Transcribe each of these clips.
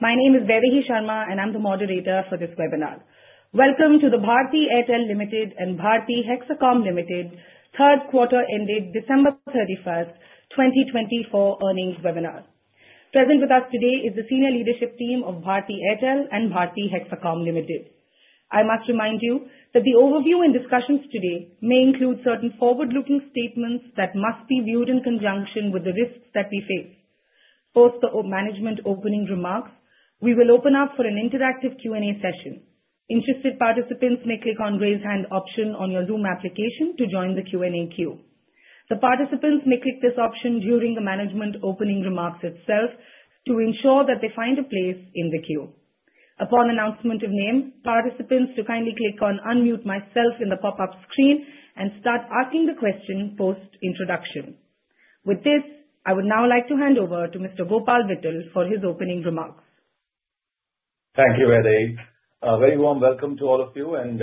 My name is Vaidehi Sharma, and I'm the moderator for this webinar. Welcome to the Bharti Airtel Limited and Bharti Hexacom Limited Q3 ended December 31, 2024 Earnings Webinar. Present with us today is the senior leadership team of Bharti Airtel and Bharti Hexacom Limited. I must remind you that the overview and discussions today may include certain forward-looking statements that must be viewed in conjunction with the risks that we face. Post the management opening remarks, we will open up for an interactive Q&A session. Interested participants may click on the raise hand option on your Zoom application to join the Q&A queue. The participants may click this option during the management opening remarks itself to ensure that they find a place in the queue. Upon announcement of name, participants do kindly click on unmute yourself in the pop-up screen and start asking the question post-introduction. With this, I would now like to hand over to Mr. Gopal Vittal for his opening remarks. Thank you, Vaidehi. Very warm welcome to all of you, and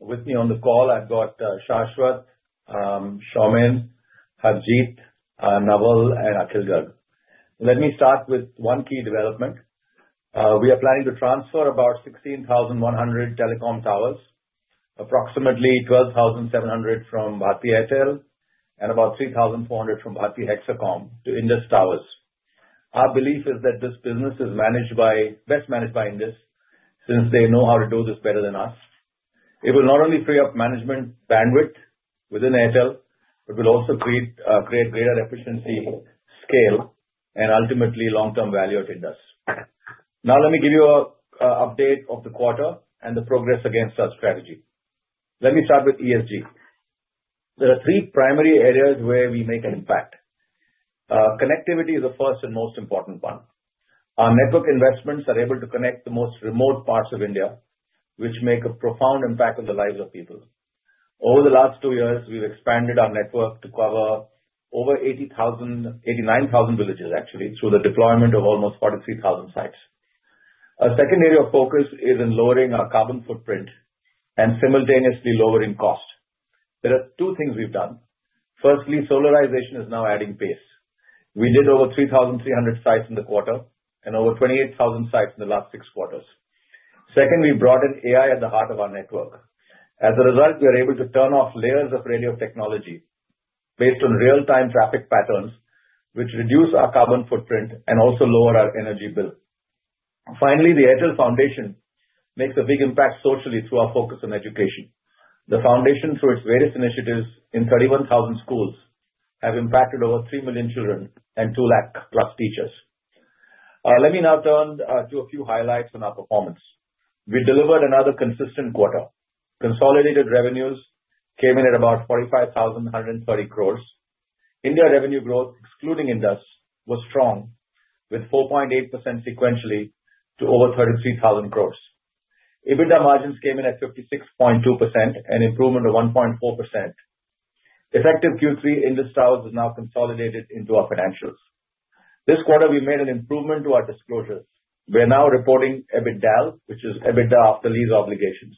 with me on the call, I've got Shashwath, Soumen, Harjeet, Naval, and Akhil Garg. Let me start with one key development. We are planning to transfer about 16,100 telecom towers, approximately 12,700 from Bharti Airtel and about 3,400 from Bharti Hexacom to Indus Towers. Our belief is that this business is best managed by Indus since they know how to do this better than us. It will not only free up management bandwidth within Airtel, but will also create greater efficiency, scale, and ultimately long-term value at Indus. Now, let me give you an update of the quarter and the progress against our strategy. Let me start with ESG. There are three primary areas where we make an impact. Connectivity is the first and most important one. Our network investments are able to connect the most remote parts of India, which make a profound impact on the lives of people. Over the last two years, we've expanded our network to cover over 89,000 villages, actually, through the deployment of almost 43,000 sites. Our second area of focus is in lowering our carbon footprint and simultaneously lowering cost. There are two things we've done. Firstly, solarization is now adding pace. We did over 3,300 sites in the quarter and over 28,000 sites in the last six quarters. Second, we brought in AI at the heart of our network. As a result, we are able to turn off layers of radio technology based on real-time traffic patterns, which reduce our carbon footprint and also lower our energy bill. Finally, the Airtel Foundation makes a big impact socially through our focus on education. The foundation, through its various initiatives in 31,000 schools, has impacted over three million children and two lakh plus teachers. Let me now turn to a few highlights on our performance. We delivered another consistent quarter. Consolidated revenues came in at about 45,130 crores. India revenue growth, excluding Indus, was strong, with 4.8% sequentially to over 33,000 crores. EBITDA margins came in at 56.2%, an improvement of 1.4%. Effective Q3, Indus Towers is now consolidated into our financials. This quarter, we made an improvement to our disclosures. We are now reporting EBITDAaL, which is EBITDA after lease obligations.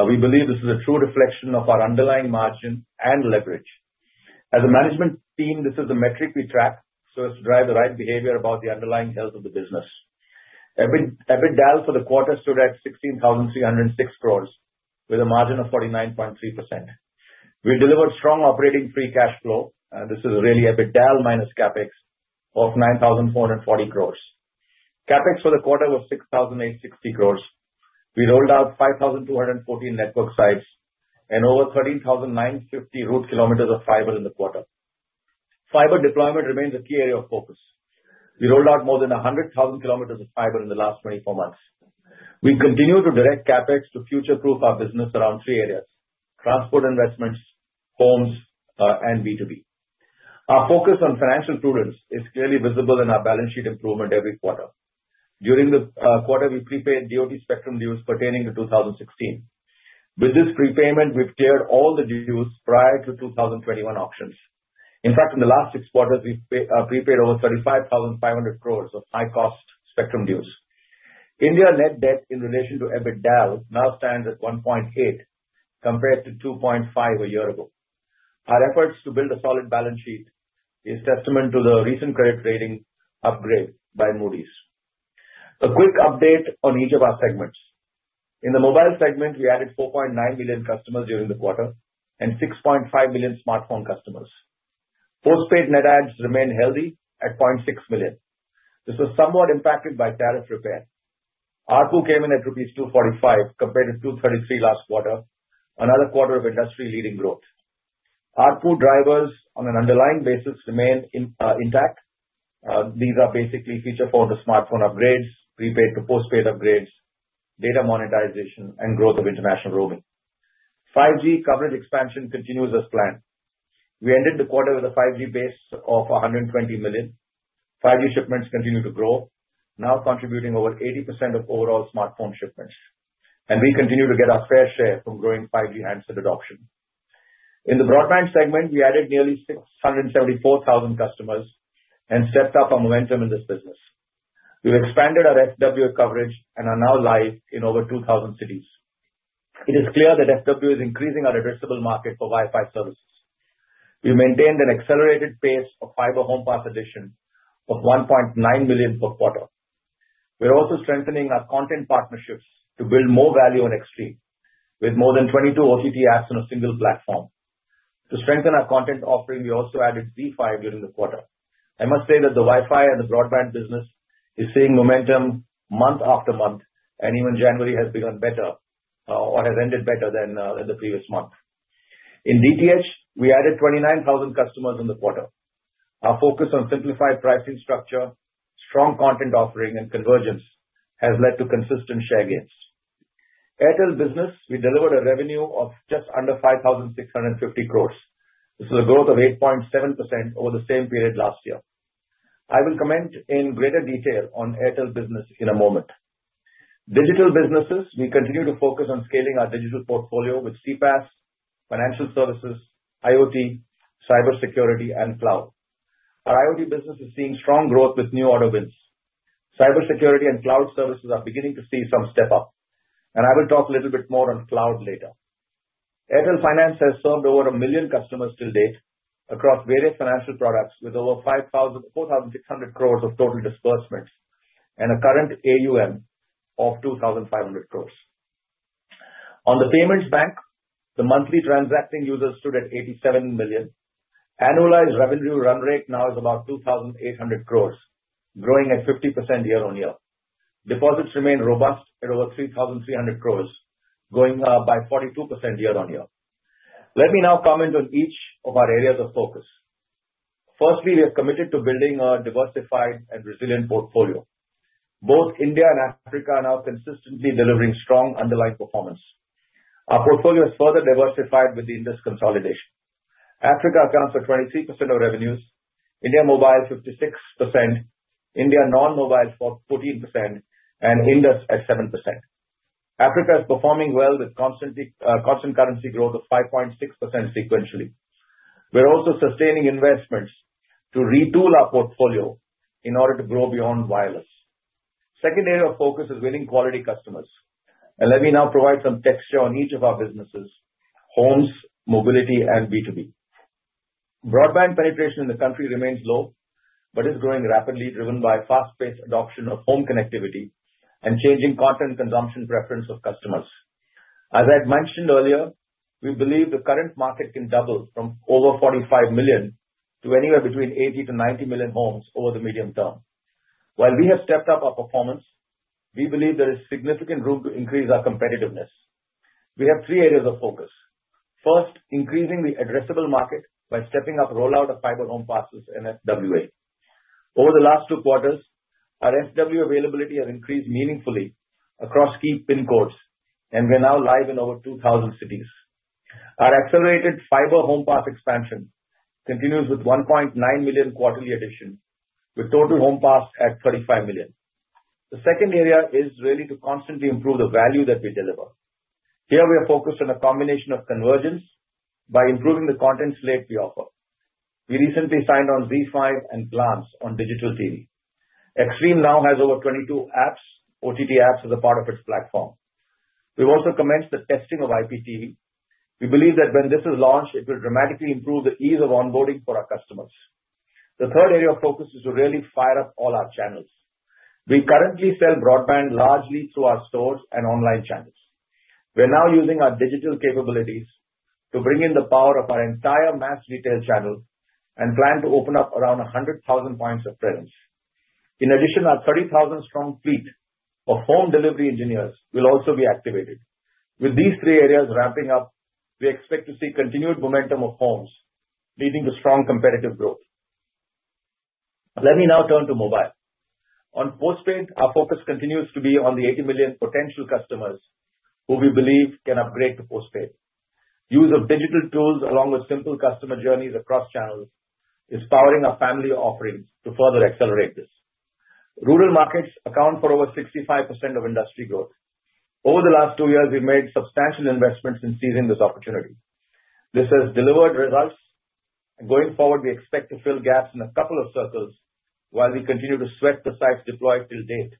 We believe this is a true reflection of our underlying margin and leverage. As a management team, this is the metric we track so as to drive the right behavior about the underlying health of the business. EBITDAL for the quarter stood at 16,306 crores, with a margin of 49.3%. We delivered strong operating free cash flow, and this is really EBITDAaL minus CapEx of 9,440 crores. CapEx for the quarter was 6,860 crores. We rolled out 5,214 network sites and over 13,950 route kilometers of fiber in the quarter. Fiber deployment remains a key area of focus. We rolled out more than 100,000 kilometers of fiber in the last 24 months. We continue to direct CapEx to future-proof our business around three areas: transport investments, homes, and B2B. Our focus on financial prudence is clearly visible in our balance sheet improvement every quarter. During the quarter, we prepaid DoT spectrum dues pertaining to 2016. With this prepayment, we've cleared all the dues prior to 2021 auctions. In fact, in the last six quarters, we've prepaid over 35,500 crores of high-cost spectrum dues. India net debt in relation to EBITDAaL now stands at 1.8 compared to 2.5 a year ago. Our efforts to build a solid balance sheet are a testament to the recent credit rating upgrade by Moody's. A quick update on each of our segments. In the mobile segment, we added 4.9 million customers during the quarter and 6.5 million smartphone customers. Postpaid net adds remained healthy at 0.6 million. This was somewhat impacted by tariff repair. ARPU came in at rupees 245 compared to 233 last quarter, another quarter of industry-leading growth. ARPU drivers on an underlying basis remain intact. These are basically feature phone to smartphone upgrades, prepaid to postpaid upgrades, data monetization, and growth of international roaming. 5G coverage expansion continues as planned. We ended the quarter with a 5G base of 120 million. 5G shipments continue to grow, now contributing over 80% of overall smartphone shipments, and we continue to get our fair share from growing 5G handset adoption. In the broadband segment, we added nearly 674,000 customers and stepped up our momentum in this business. We've expanded our FW coverage and are now live in over 2,000 cities. It is clear that FW is increasing our addressable market for Wi-Fi services. We maintained an accelerated pace of fiber home pass addition of 1.9 million per quarter. We're also strengthening our content partnerships to build more value on Xtreme with more than 22 OTT apps on a single platform. To strengthen our content offering, we also added ZEE5 during the quarter. I must say that the Wi-Fi and the broadband business is seeing momentum month after month, and even January has begun better or has ended better than the previous month. In DTH, we added 29,000 customers in the quarter. Our focus on simplified pricing structure, strong content offering, and convergence has led to consistent share gains. Airtel business, we delivered a revenue of just under 5,650 crores. This is a growth of 8.7% over the same period last year. I will comment in greater detail on Airtel business in a moment. Digital businesses, we continue to focus on scaling our digital portfolio with CPaaS, Financial Services, IoT, Cybersecurity, and Cloud. Our IoT business is seeing strong growth with new order wins. Cybersecurity and Cloud services are beginning to see some step up, and I will talk a little bit more on cloud later. Airtel Finance has served over a million customers till date across various financial products with over 4,600 crores of total disbursements and a current AUM of 2,500 crores. On the Payments Bank, the monthly transacting users stood at 87 million. Annualized revenue run rate now is about 2,800 crores, growing at 50% year-on-year. Deposits remain robust at over 3,300 crores, going up by 42% year-on-year. Let me now comment on each of our areas of focus. Firstly, we have committed to building a diversified and resilient portfolio. Both India and Africa are now consistently delivering strong underlying performance. Our portfolio is further diversified with the Indus consolidation. Africa accounts for 23% of revenues, India mobile 56%, India non-mobile for 14%, and Indus at 7%. Africa is performing well with constant currency growth of 5.6% sequentially. We're also sustaining investments to retool our portfolio in order to grow beyond wireless. Second area of focus is winning quality customers. And let me now provide some texture on each of our businesses: homes, mobility, and B2B. Broadband penetration in the country remains low but is growing rapidly, driven by fast-paced adoption of home connectivity and changing content consumption preference of customers. As I had mentioned earlier, we believe the current market can double from over 45 million to anywhere between 80 to 90 million homes over the medium term. While we have stepped up our performance, we believe there is significant room to increase our competitiveness. We have three areas of focus. First, increasing the addressable market by stepping up rollout of fiber home passes in FWA. Over the last two quarters, our FWA availability has increased meaningfully across key pin codes, and we're now live in over 2,000 cities. Our accelerated fiber home pass expansion continues with 1.9 million quarterly addition, with total home pass at 35 million. The second area is really to constantly improve the value that we deliver. Here, we are focused on a combination of convergence by improving the content slate we offer. We recently signed on ZEE5 and Glance on digital TV. Xstream now has over 22 apps, OTT apps as a part of its platform. We've also commenced the testing of IPTV. We believe that when this is launched, it will dramatically improve the ease of onboarding for our customers. The third area of focus is to really fire up all our channels. We currently sell broadband largely through our stores and online channels. We're now using our digital capabilities to bring in the power of our entire mass retail channel and plan to open up around 100,000 points of presence. In addition, our 30,000-strong fleet of home delivery engineers will also be activated. With these three areas ramping up, we expect to see continued momentum of homes leading to strong competitive growth. Let me now turn to mobile. On postpaid, our focus continues to be on the 80 million potential customers who we believe can upgrade to postpaid. Use of digital tools along with simple customer journeys across channels is powering our family offerings to further accelerate this. Rural markets account for over 65% of industry growth. Over the last two years, we've made substantial investments in seizing this opportunity. This has delivered results. Going forward, we expect to fill gaps in a couple of circles while we continue to sweat the sites deployed till date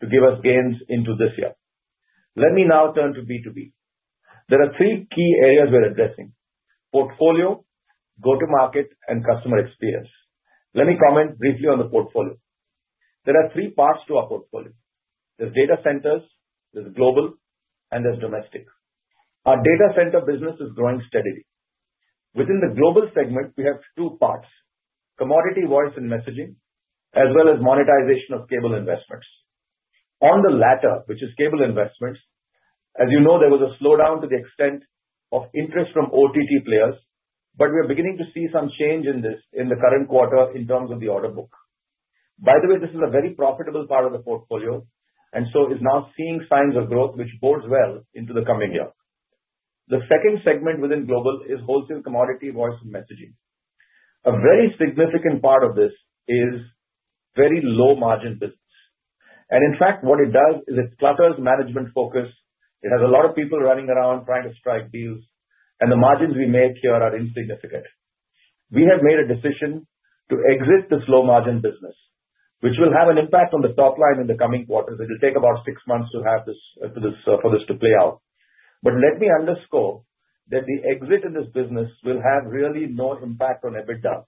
to give us gains into this year. Let me now turn to B2B. There are three key areas we're addressing: portfolio, go-to-market, and customer experience. Let me comment briefly on the portfolio. There are three parts to our portfolio. There's data centers, there's global, and there's domestic. Our data center business is growing steadily. Within the global segment, we have two parts: commodity voice and messaging, as well as monetization of cable investments. On the latter, which is cable investments, as you know, there was a slowdown to the extent of interest from OTT players, but we are beginning to see some change in this in the current quarter in terms of the order book. By the way, this is a very profitable part of the portfolio and so is now seeing signs of growth, which bodes well into the coming year. The second segment within global is wholesale commodity voice and messaging. A very significant part of this is very low-margin business. And in fact, what it does is it clutters management focus. It has a lot of people running around trying to strike deals, and the margins we make here are insignificant. We have made a decision to exit this low-margin business, which will have an impact on the top line in the coming quarters, it will take about six months for this to play out. But let me underscore that the exit in this business will have really no impact on EBITDA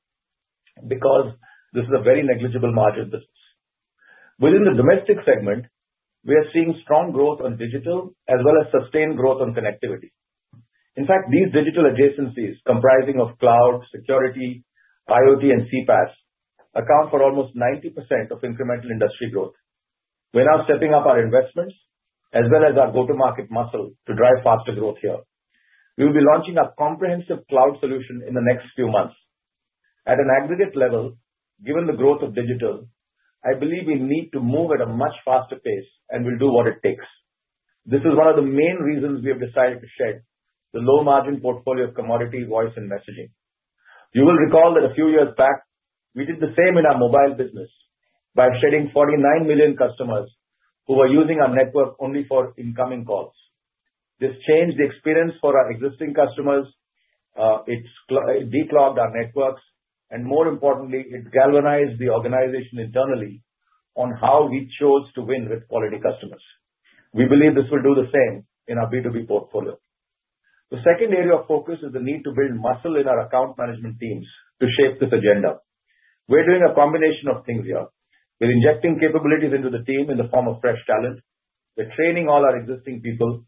because this is a very negligible margin business. Within the domestic segment, we are seeing strong growth on digital as well as sustained growth on connectivity. In fact, these digital adjacencies comprising of Cloud, Security, IoT, and CPaaS account for almost 90% of incremental industry growth. We're now stepping up our investments as well as our go-to-market muscle to drive faster growth here. We will be launching a comprehensive cloud solution in the next few months. At an aggregate level, given the growth of digital, I believe we need to move at a much faster pace and will do what it takes. This is one of the main reasons we have decided to shed the low-margin portfolio of commodity voice and messaging. You will recall that a few years back, we did the same in our mobile business by shedding 49 million customers who were using our network only for incoming calls. This changed the experience for our existing customers. It declogged our networks, and more importantly, it galvanized the organization internally on how we chose to win with quality customers. We believe this will do the same in our B2B portfolio. The second area of focus is the need to build muscle in our account management teams to shape this agenda. We're doing a combination of things here. We're injecting capabilities into the team in the form of fresh talent. We're training all our existing people.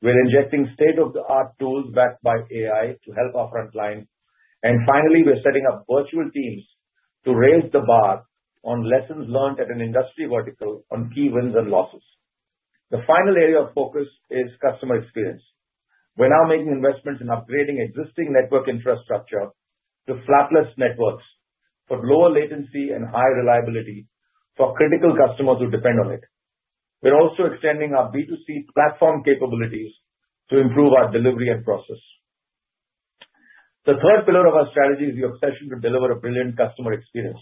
We're injecting state-of-the-art tools backed by AI to help our frontline. And finally, we're setting up virtual teams to raise the bar on lessons learned at an industry vertical on key wins and losses. The final area of focus is customer experience. We're now making investments in upgrading existing network infrastructure to flawless networks for lower latency and high reliability for critical customers who depend on it. We're also extending our B2C platform capabilities to improve our delivery and process. The third pillar of our strategy is the obsession to deliver a brilliant customer experience.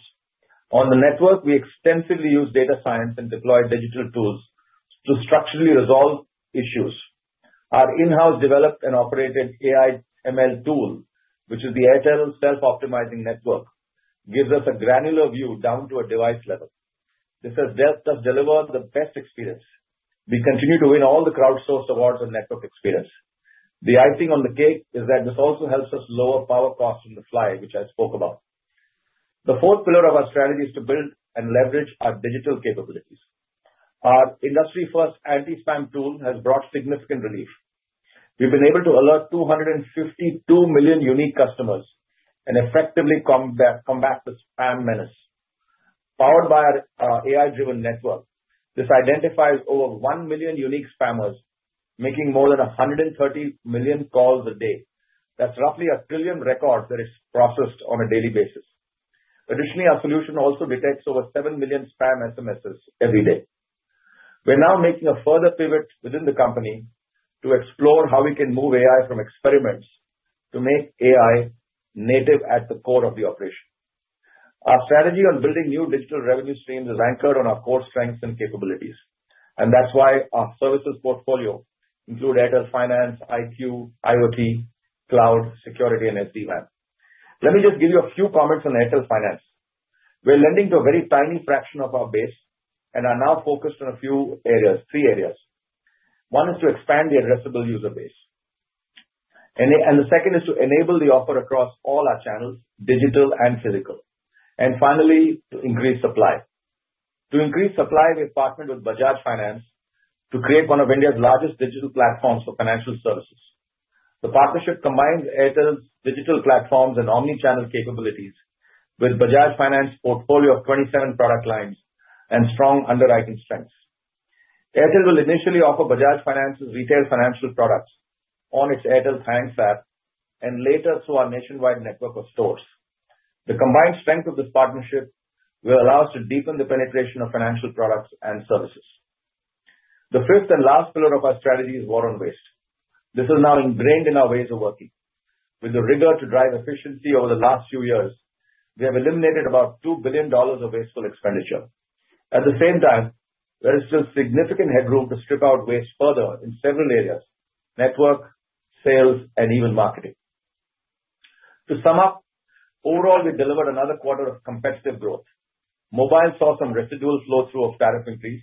On the network, we extensively use data science and deploy digital tools to structurally resolve issues. Our in-house developed and operated AI/ML tool, which is the Airtel Self-Optimizing Network, gives us a granular view down to a device level. This has just delivered the best experience. We continue to win all the crowd-sourced awards on network experience. The icing on the cake is that this also helps us lower power costs on the fly, which I spoke about. The fourth pillar of our strategy is to build and leverage our digital capabilities. Our industry-first anti-spam tool has brought significant relief. We've been able to alert 252 million unique customers and effectively combat the spam menace. Powered by our AI-driven network, this identifies over 1 million unique spammers, making more than 130 million calls a day. That's roughly a trillion records that are processed on a daily basis. Additionally, our solution also detects over 7 million spam SMSs every day. We're now making a further pivot within the company to explore how we can move AI from experiments to make AI native at the core of the operation. Our strategy on building new digital revenue streams is anchored on our core strengths and capabilities, and that's why our services portfolio includes Airtel Finance, IQ, IoT, Cloud, Security, and SD-WAN. Let me just give you a few comments on Airtel Finance. We're lending to a very tiny fraction of our base and are now focused on a few areas, three areas. One is to expand the addressable user base, and the second is to enable the offer across all our channels, digital and physical, and finally, to increase supply. To increase supply, we partnered with Bajaj Finance to create one of India's largest digital platforms for financial services. The partnership combines Airtel's digital platforms and omnichannel capabilities with Bajaj Finance's portfolio of 27 product lines and strong underwriting strengths. Airtel will initially offer Bajaj Finance's retail financial products on its Airtel Finance app and later through our nationwide network of stores. The combined strength of this partnership will allow us to deepen the penetration of financial products and services. The fifth and last pillar of our strategy is war on waste. This is now ingrained in our ways of working. With the rigor to drive efficiency over the last few years, we have eliminated about $2 billion of wasteful expenditure. At the same time, there is still significant headroom to strip out waste further in several areas: network, sales, and even marketing. To sum up, overall, we delivered another quarter of competitive growth. Mobile saw some residual flow-through of tariff increase.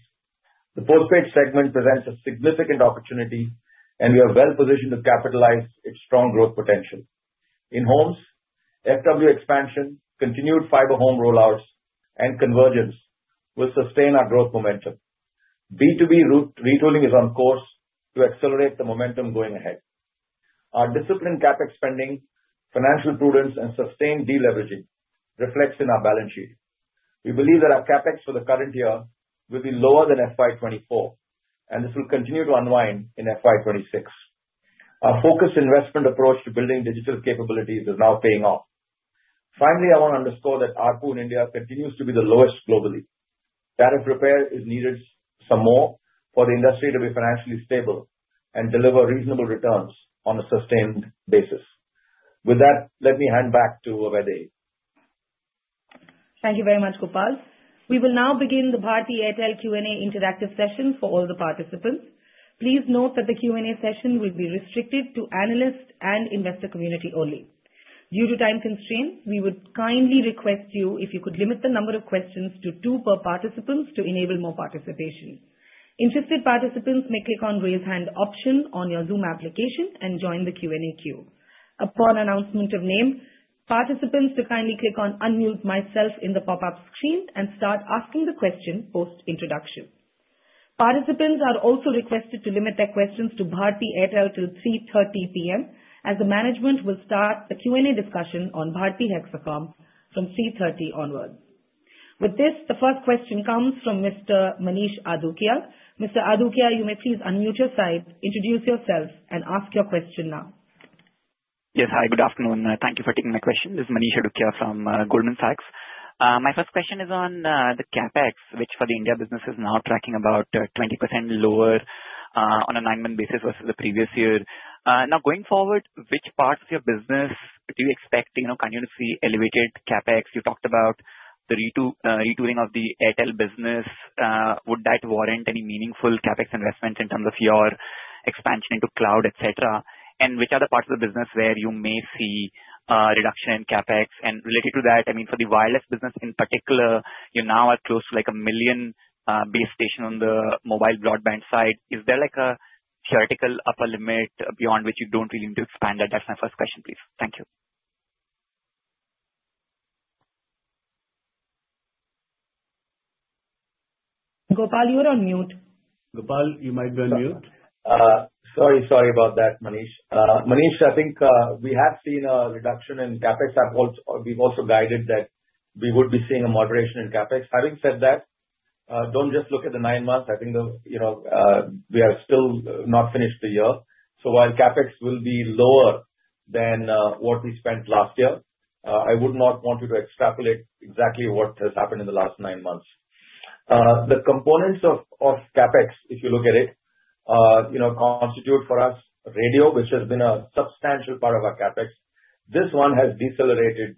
The postpaid segment presents a significant opportunity, and we are well-positioned to capitalize its strong growth potential. In homes, FW expansion, continued fiber home rollouts, and convergence will sustain our growth momentum. B2B retooling is on course to accelerate the momentum going ahead. Our disciplined CapEx spending, financial prudence, and sustained deleveraging reflect in our balance sheet. We believe that our CapEx for the current year will be lower than FY '24, and this will continue to unwind in FY '26. Our focused investment approach to building digital capabilities is now paying off. Finally, I want to underscore that ARPU in India continues to be the lowest globally. Tariff repair is needed some more for the industry to be financially stable and deliver reasonable returns on a sustained basis. With that, let me hand back to Vaidehi. Thank you very much, Gopal. We will now begin the Bharti Airtel Q&A interactive session for all the participants. Please note that the Q&A session will be restricted to analysts and investor community only. Due to time constraints, we would kindly request you if you could limit the number of questions to two per participant to enable more participation. Interested participants may click on the raise hand option on your Zoom application and join the Q&A queue. Upon announcement of name, participants should kindly click on "Unmute myself" in the pop-up screen and start asking the question post-introduction. Participants are also requested to limit their questions to Bharti Airtel till 3:30 P.M., as the management will start the Q&A discussion on Bharti Hexacom from 3:30 P.M. onwards. With this, the first question comes from Mr. Manish Adukia. Mr. Adukia, you may please unmute your side, introduce yourself, and ask your question now. Yes, hi. Good afternoon. Thank you for taking my question. This is Manish Adukia from Goldman Sachs. My first question is on the CapEx, which for the India business is now tracking about 20% lower on a nine month basis versus the previous year. Now, going forward, which parts of your business do you expect continuously elevated CapEx? You talked about the retooling of the Airtel business. Would that warrant any meaningful CapEx investments in terms of your expansion into cloud, etc.? And which other parts of the business where you may see a reduction in CapEx? And related to that, I mean, for the wireless business in particular, you now are close to like a million base stations on the mobile broadband side. Is there like a theoretical upper limit beyond which you don't really need to expand? That's my first question, please. Thank you. Gopal, you're on mute. Gopal, you might be on mute. Sorry, sorry about that, Manish. Manish, I think we have seen a reduction in CapEx. We've also guided that we would be seeing a moderation in CapEx. Having said that, don't just look at the nine months. I think we are still not finished the year. So while CapEx will be lower than what we spent last year, I would not want you to extrapolate exactly what has happened in the last nine months. The components of CapEx, if you look at it, constitute for us radio, which has been a substantial part of our CapEx. This one has decelerated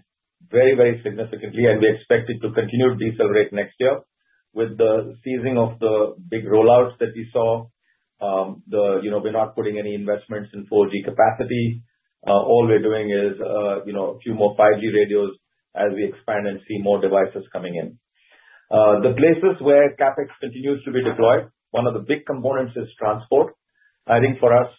very, very significantly, and we expect it to continue to decelerate next year with the ceasing of the big rollouts that we saw. We're not putting any investments in 4G capacity. All we're doing is a few more 5G radios as we expand and see more devices coming in. The places where CapEx continues to be deployed, one of the big components is transport. I think for us,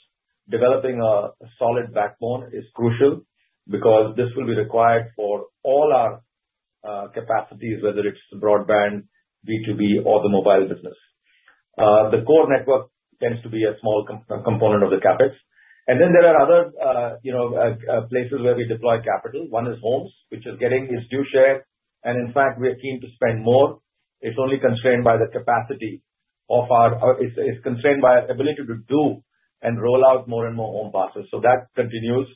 developing a solid backbone is crucial because this will be required for all our capacities, whether it's the broadband, B2B, or the mobile business. The core network tends to be a small component of the CapEx. And then there are other places where we deploy capital. One is homes, which is getting its due share. And in fact, we are keen to spend more. It's only constrained by the capacity of our, it's constrained by our ability to do and roll out more and more home passes. So that continues.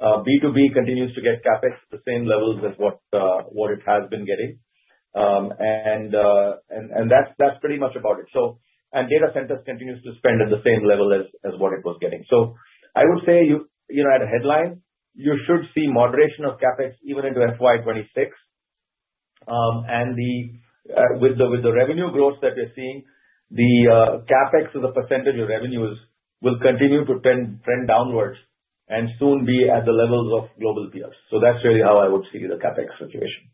B2B continues to get CapEx at the same levels as what it has been getting. And that's pretty much about it. And data centers continue to spend at the same level as what it was getting. So I would say at a headline, you should see moderation of CapEx even into FY '26. And with the revenue growth that we're seeing, the CapEx as a percentage of revenues will continue to trend downwards and soon be at the levels of global peers. That's really how I would see the CapEx situation.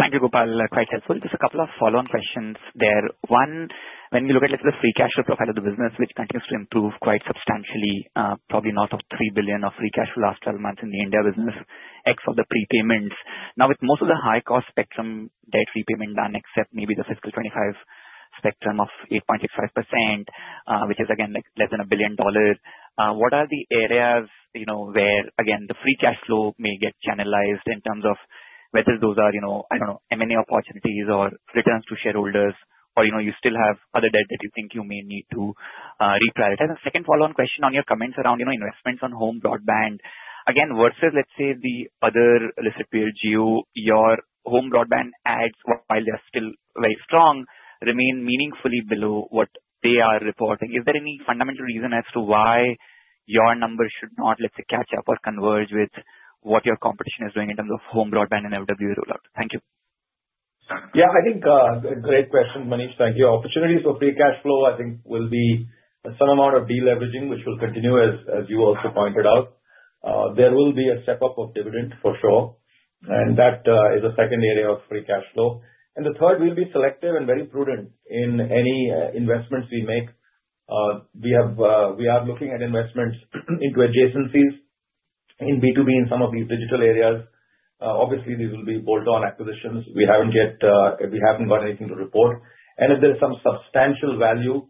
Thank you, Gopal. Quite helpful. Just a couple of follow-on questions there. One, when we look at the free cash flow profile of the business, which continues to improve quite substantially, probably north of $3 billion of free cash flow last 12 months in the India business X ofthe prepayments. Now, with most of the high-cost spectrum debt repayment done, except maybe the fiscal 2025 spectrum of 8.65%, which is, again, less than $1 billion, what are the areas where, again, the free cash flow may get channelized in terms of whether those are, I don't know, M&A opportunities or returns to shareholders, or you still have other debt that you think you may need to reprioritize? And second follow-on question on your comments around investments on home broadband. Again, versus, let's say, the other listed peer group, your home broadband adds, while they're still very strong, remain meaningfully below what they are reporting. Is there any fundamental reason as to why your number should not, let's say, catch up or converge with what your competition is doing in terms of home broadband and FWA rollout? Thank you. Yeah, I think a great question, Manish. Your opportunities for free cash flow, I think, will be some amount of deleveraging, which will continue, as you also pointed out. There will be a step-up of dividend, for sure. And that is a second area of free cash flow. And the third, we'll be selective and very prudent in any investments we make. We are looking at investments into adjacencies in B2B in some of these digital areas. Obviously, these will be bolt-on acquisitions. We haven't got anything to report. And if there's some substantial value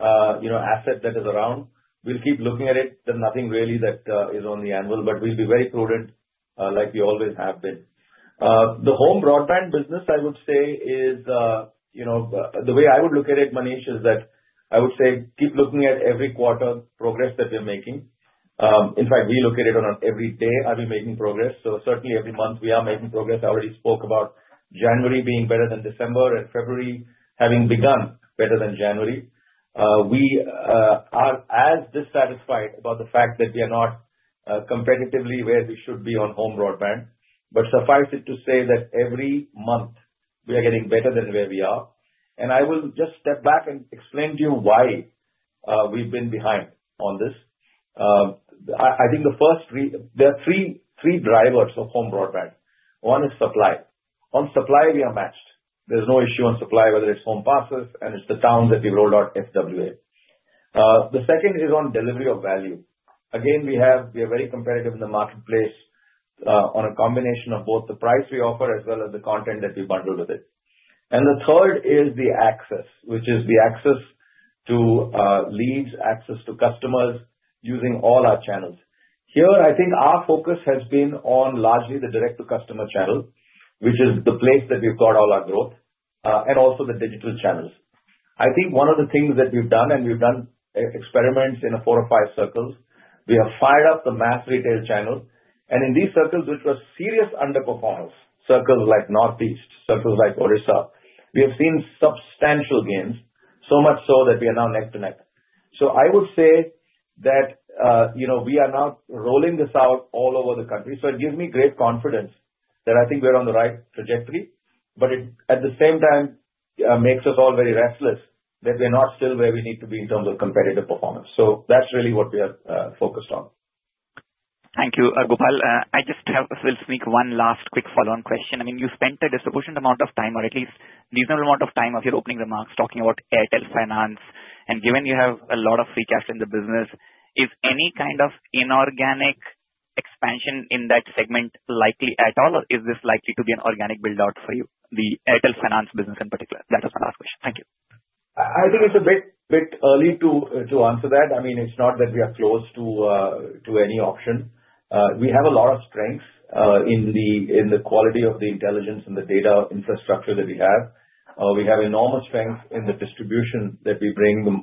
asset that is around, we'll keep looking at it. There's nothing really that is on the anvil, but we'll be very prudent, like we always have been. The home broadband business, I would say, is the way I would look at it, Manish, is that I would say keep looking at every quarter progress that we're making. In fact, we look at it on every day, are we making progress? So certainly, every month, we are making progress. I already spoke about January being better than December and February having begun better than January. We are as dissatisfied about the fact that we are not competitively where we should be on home broadband. But suffice it to say that every month, we are getting better than where we are. And I will just step back and explain to you why we've been behind on this. I think the first, there are three drivers of home broadband. One is supply. On supply, we are matched. There's no issue on supply, whether it's home pass, and in the towns that we've rolled out FWA. The second is on delivery of value. Again, we are very competitive in the marketplace on a combination of both the price we offer as well as the content that we bundle with it. And the third is the access, which is the access to leads, access to customers using all our channels. Here, I think our focus has been on largely the direct-to-customer channel, which is the place that we've got all our growth, and also the digital channels. I think one of the things that we've done, and we've done experiments in four or five circles. We have fired up the mass retail channel. In these circles, which were serious underperformance circles like Northeast, circles like Odisha, we have seen substantial gains, so much so that we are now neck to neck. I would say that we are now rolling this out all over the country. It gives me great confidence that I think we're on the right trajectory. But at the same time, it makes us all very restless that we're not still where we need to be in terms of competitive performance. That's really what we are focused on. Thank you, Gopal. I just will sneak one last quick follow-on question. I mean, you spent a disproportionate amount of time, or at least a reasonable amount of time, of your opening remarks talking about Airtel Finance. And given you have a lot of free cash in the business, is any kind of inorganic expansion in that segment likely at all, or is this likely to be an organic build-out for you, the Airtel Finance business in particular? That was my last question. Thank you. I think it's a bit early to answer that. I mean, it's not that we are close to any option. We have a lot of strengths in the quality of the intelligence and the data infrastructure that we have. We have enormous strength in the distribution that we bring, the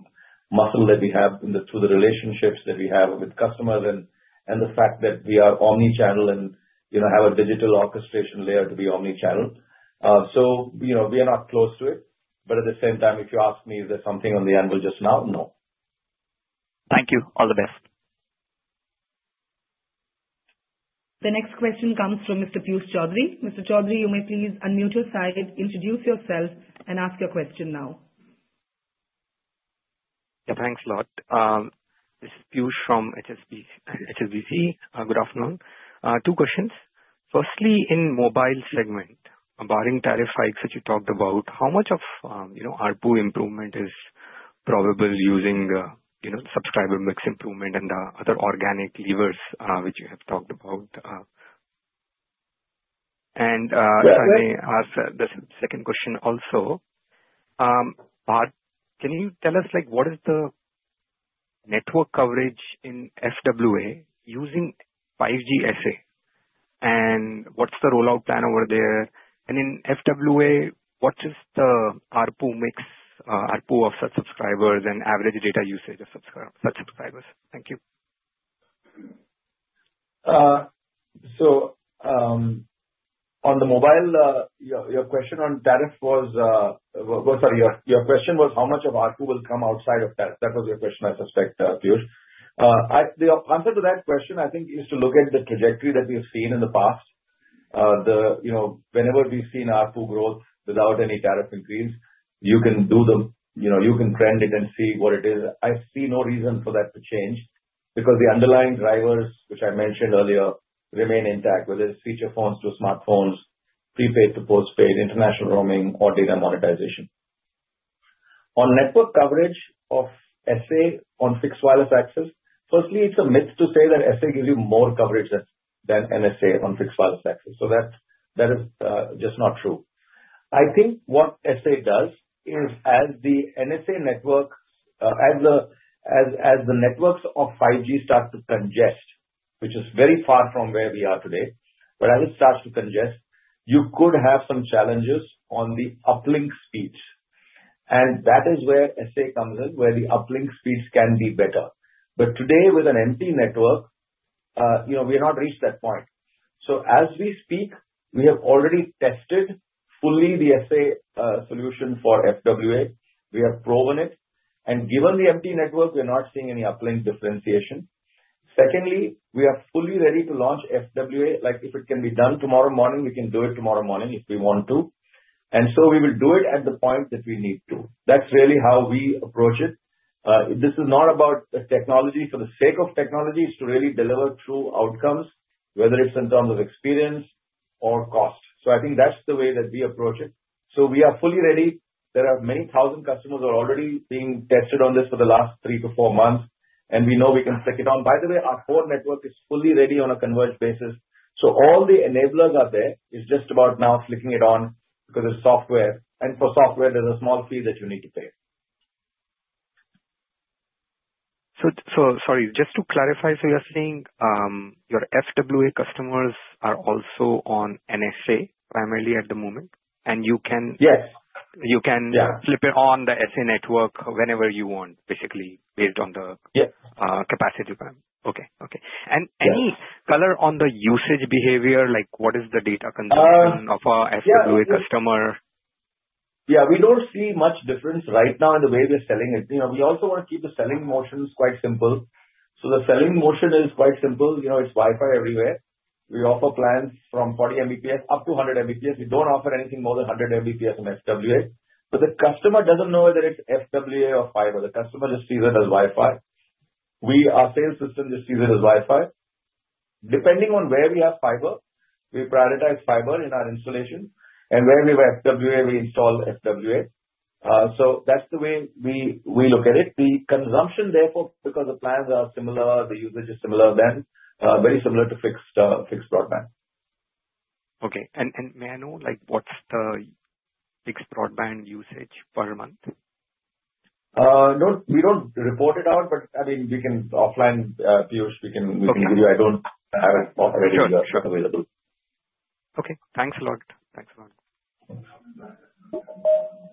muscle that we have through the relationships that we have with customers, and the fact that we are omnichannel and have a digital orchestration layer to be omnichannel. So we are not close to it. But at the same time, if you ask me if there's something on the anvil just now? No. Thank you. All the best. The next question comes from Mr. Piyush Choudhary. Mr. Choudhary, you may please unmute your side, introduce yourself, and ask your question now. Yeah, thanks a lot. This is Piyush from HSBC. Good afternoon. Two questions. Firstly, in mobile segment, barring tariff hikes that you talked about, how much of ARPU improvement is probable using subscriber mix improvement and the other organic levers which you have talked about? And can I ask the second question also, can you tell us what is the network coverage in FWA using 5G SA? And what's the rollout plan over there? And in FWA, what is the ARPU mix of subscribers and average data usage of subscribers? Thank you. On the mobile, your question on tariff was. Sorry, your question was how much of ARPU will come outside of tariff? That was your question, I suspect, Piyush. The answer to that question, I think, is to look at the trajectory that we've seen in the past. Whenever we've seen ARPU growth without any tariff increase, you can trend it and see what it is. I see no reason for that to change because the underlying drivers, which I mentioned earlier, remain intact, whether it's feature phones to smartphones, prepaid to postpaid, international roaming, or data monetization. On network coverage of SA on fixed wireless access, firstly, it's a myth to say that SA gives you more coverage than NSA on fixed wireless access, so that is just not true. I think what SA does is, as the NSA network, as the networks of 5G start to congest, which is very far from where we are today, but as it starts to congest, you could have some challenges on the uplink speeds, and that is where SA comes in, where the uplink speeds can be better, but today, with an empty network, we have not reached that point, so as we speak, we have already tested fully the SA solution for FWA. We have proven it, and given the empty network, we're not seeing any uplink differentiation. Secondly, we are fully ready to launch FWA. If it can be done tomorrow morning, we can do it tomorrow morning if we want to. And so we will do it at the point that we need to. That's really how we approach it. This is not about technology for the sake of technology. It's to really deliver true outcomes, whether it's in terms of experience or cost. So I think that's the way that we approach it. So we are fully ready. There are many thousand customers who are already being tested on this for the last three-to-four months. And we know we can flick it on. By the way, our core network is fully ready on a converged basis. So all the enablers are there. It's just about now flicking it on because it's software. And for software, there's a small fee that you need to pay. So sorry, just to clarify, so you're saying your FWA customers are also on NSA primarily at the moment, and you can flip it on the SA network whenever you want, basically... Yes. based on the capacity plan. Okay. Okay. And any color on the usage behavior? What is the data consumption of our FWA customer? Yeah, we don't see much difference right now in the way we're selling it. We also want to keep the selling motions quite simple. So the selling motion is quite simple. It's Wi-Fi everywhere. We offer plans from 40 Mbps up to 100 Mbps. We don't offer anything more than 100 Mbps on FWA. But the customer doesn't know whether it's FWA or fiber. The customer just sees it as Wi-Fi. Our sales system just sees it as Wi-Fi. Depending on where we have fiber, we prioritize fiber in our installation. And where we have FWA, we install FWA. So that's the way we look at it. The consumption, therefore, because the plans are similar, the usage is similar, then very similar to fixed broadband. Okay. And may I know what's the fixed broadband usage per month? We don't report it out, but I mean, we can offline, Piyush, we can give you. I don't have it already available. Okay. Thanks a lot. Thanks a lot.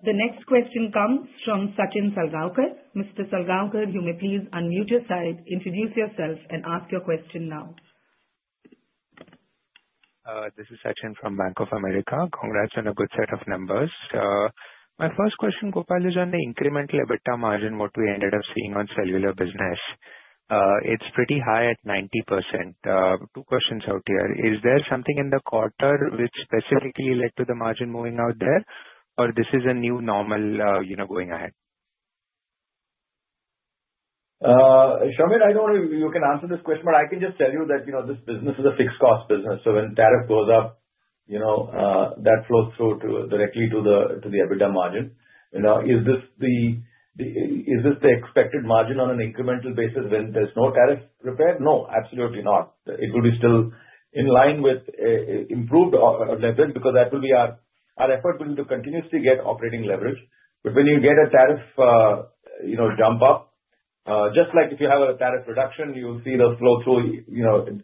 The next question comes from Sachin Salgaonkar. Mr. Salgaonkar, you may please unmute your side, introduce yourself, and ask your question now. This is Sachin from Bank of America. Congrats on a good set of numbers. My first question, Gopal, is on the incremental EBITDA margin, what we ended up seeing on cellular business. It's pretty high at 90%. Two questions out here. Is there something in the quarter which specifically led to the margin moving out there, or this is a new normal going ahead? Sure. I don't know if you can answer this question, but I can just tell you that this business is a fixed-cost business. So when tariff goes up, that flows directly to the EBITDA margin. Is this the expected margin on an incremental basis when there's no tariff repair? No, absolutely not. It will be still in line with improved leverage because that will be our effort to continuously get operating leverage. But when you get a tariff jump up, just like if you have a tariff reduction, you'll see the flow through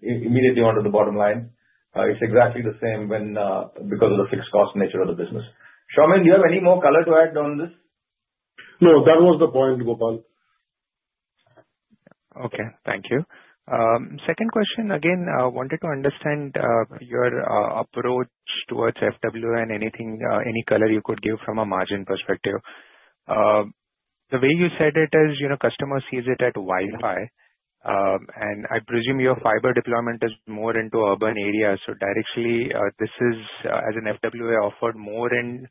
immediately onto the bottom line. It's exactly the same because of the fixed-cost nature of the business. Soumen. Do you have any more color to add on this? No, that was the point, Gopal. Okay. Thank you. Second question, again, I wanted to understand your approach towards FWA and any color you could give from a margin perspective. The way you said it is customer sees it at Wi-Fi. And I presume your fiber deployment is more into urban areas. So directly, this is, as an FWA, offered more in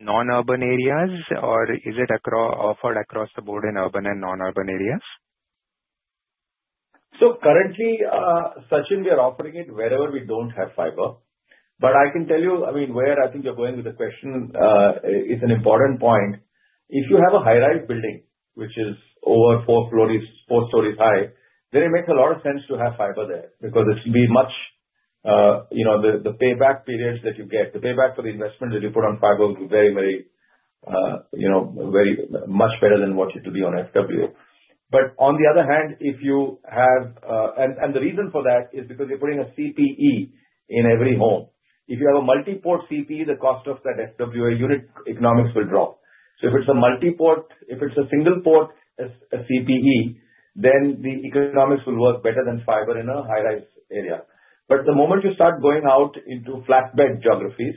non-urban areas, or is it offered across the board in urban and non-urban areas? So currently, Sachin, we are offering it wherever we don't have fiber. But I can tell you, I mean, where I think you're going with the question is an important point. If you have a high-rise building, which is over four stories high, then it makes a lot of sense to have fiber there because it should be much the payback periods that you get, the payback for the investment that you put on fiber will be very, very much better than what it would be on FWA. But on the other hand, if you have—and the reason for that is because you're putting a CPE in every home. If you have a multi-port CPE, the cost of that FWA unit economics will drop. So if it's a multi-port, if it's a single-port CPE, then the economics will work better than fiber in a high-rise area. But the moment you start going out into flatbed geographies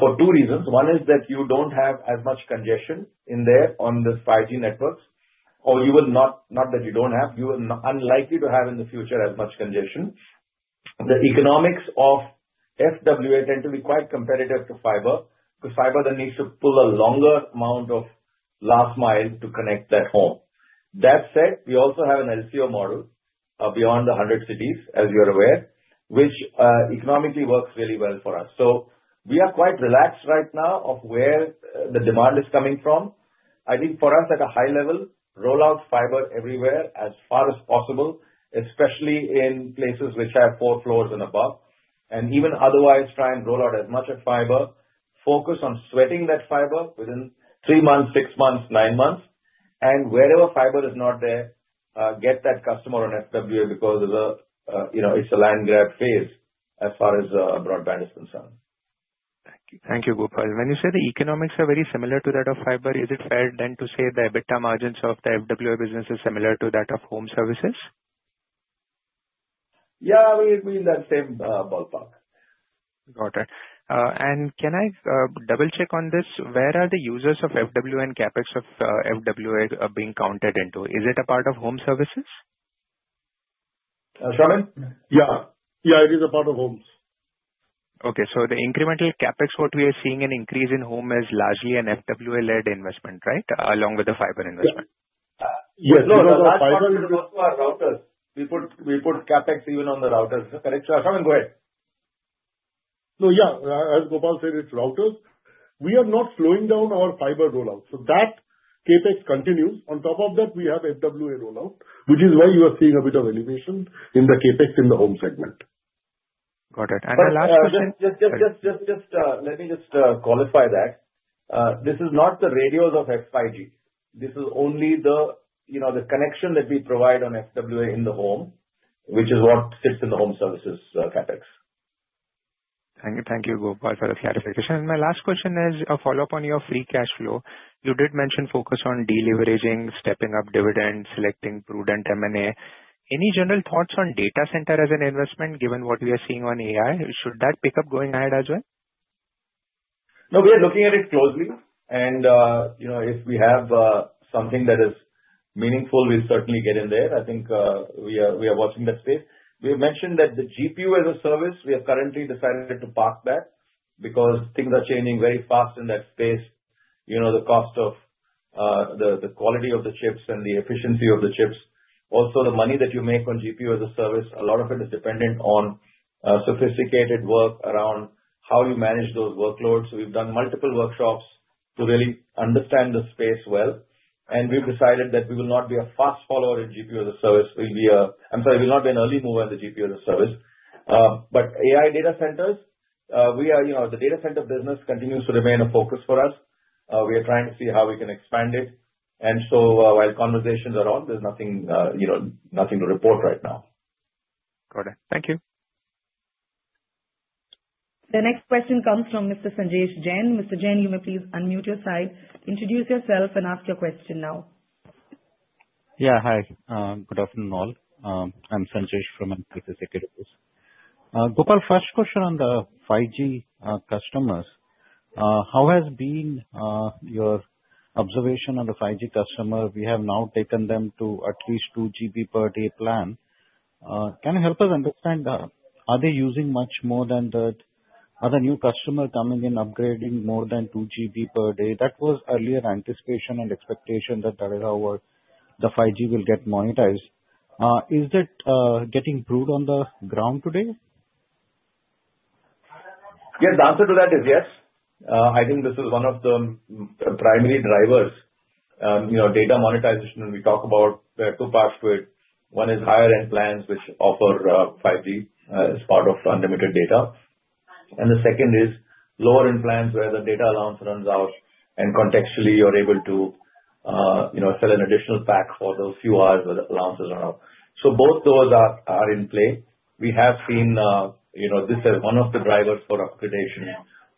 for two reasons. One is that you don't have as much congestion in there on the 5G networks, or you will not—not that you don't have, you will be unlikely to have in the future as much congestion. The economics of FWA tend to be quite competitive to fiber because fiber then needs to pull a longer amount of last mile to connect that home. That said, we also have an LCO model beyond the 100 cities, as you're aware, which economically works really well for us. So we are quite relaxed right now of where the demand is coming from. I think for us, at a high level, roll out fiber everywhere as far as possible, especially in places which have four floors and above, and even otherwise, try and roll out as much of fiber, focus on sweating that fiber within three months, six months, nine months. Wherever fiber is not there, get that customer on FWA because it's a land-grab phase as far as broadband is concerned. Thank you. Thank you, Gopal. When you say the economics are very similar to that of fiber, is it fair then to say the EBITDA margins of the FWA business is similar to that of home services? Yeah, I mean, it's in that same ballpark. Got it. And can I double-check on this? Where are the users of FWA and CapEx of FWA being counted into? Is it a part of home services? Soumen? Yeah. Yeah, it is a part of homes. Okay. So the incremental CapEx, what we are seeing an increase in home is largely an FWA-led investment, right, along with the fiber investment? Yes. No, no, no. Fiber is also our routers. We put CapEx even on the routers. Correct? Soumen? No, yeah. As Gopal said, it's routers. We are not slowing down our fiber rollout. So that CapEx continues. On top of that, we have FWA rollout, which is why you are seeing a bit of elevation in the CapEx in the home segment. Got it. And my last question. Just let me qualify that. This is not the radios of 5G. This is only the connection that we provide on FWA in the home, which is what sits in the home services CapEx. Thank you, Gopal, for the clarification. And my last question is a follow-up on your free cash flow. You did mention focus on deleveraging, stepping up dividends, selecting prudent M&A. Any general thoughts on data center as an investment, given what we are seeing on AI? Should that pick up going ahead as well? No, we are looking at it closely, and if we have something that is meaningful, we'll certainly get in there. I think we are watching that space. We have mentioned that the GPU as a service, we have currently decided to park that because things are changing very fast in that space. The cost of the quality of the chips and the efficiency of the chips, also the money that you make on GPU as a service, a lot of it is dependent on sophisticated work around how you manage those workloads. We've done multiple workshops to really understand the space well, and we've decided that we will not be a fast follower in GPU as a service. We'll be a - I'm sorry, we'll not be an early mover in the GPU as a service, but AI data centers, the data center business continues to remain a focus for us. We are trying to see how we can expand it, and so while conversations are on, there's nothing to report right now. Got it. Thank you. The next question comes from Mr. Sanjesh Jain. Mr. Jain, you may please unmute your side, introduce yourself, and ask your question now. Yeah. Hi. Good afternoon, all. I'm Sanjesh from ICICI Securities office. Gopal, first question on the 5G customers. How has been your observation on the 5G customer? We have now taken them to at least 2 GB per day plan. Can you help us understand, are they using much more than that? Are the new customers coming in, upgrading more than 2 GB per day? That was earlier anticipation and expectation that the 5G will get monetized. Is that getting brewed on the ground today? Yes. The answer to that is yes. I think this is one of the primary drivers. Data monetization, when we talk about, there are two parts to it. One is higher-end plans, which offer 5G as part of unlimited data, and the second is lower-end plans where the data allowance runs out, and contextually, you're able to sell an additional pack for those few hours where the allowances run out, so both those are in play. We have seen this as one of the drivers for upgradation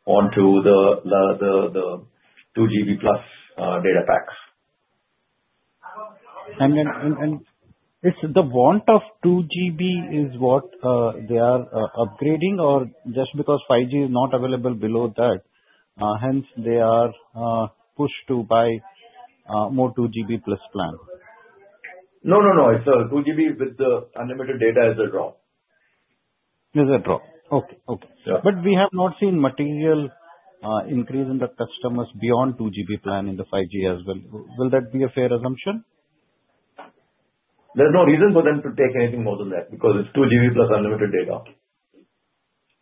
onto the 2 GB plus data packs. And the want of 2 GB is what they are upgrading, or just because 5G is not available below that, hence they are pushed to buy more 2 GB plus plan? No, no, no. It's 2 GB with the unlimited data is the draw. Is it draw? Okay. Okay. But we have not seen material increase in the customers beyond 2 GB plan in the 5G as well. Will that be a fair assumption? There's no reason for them to take anything more than that because it's 2 GB plus unlimited data.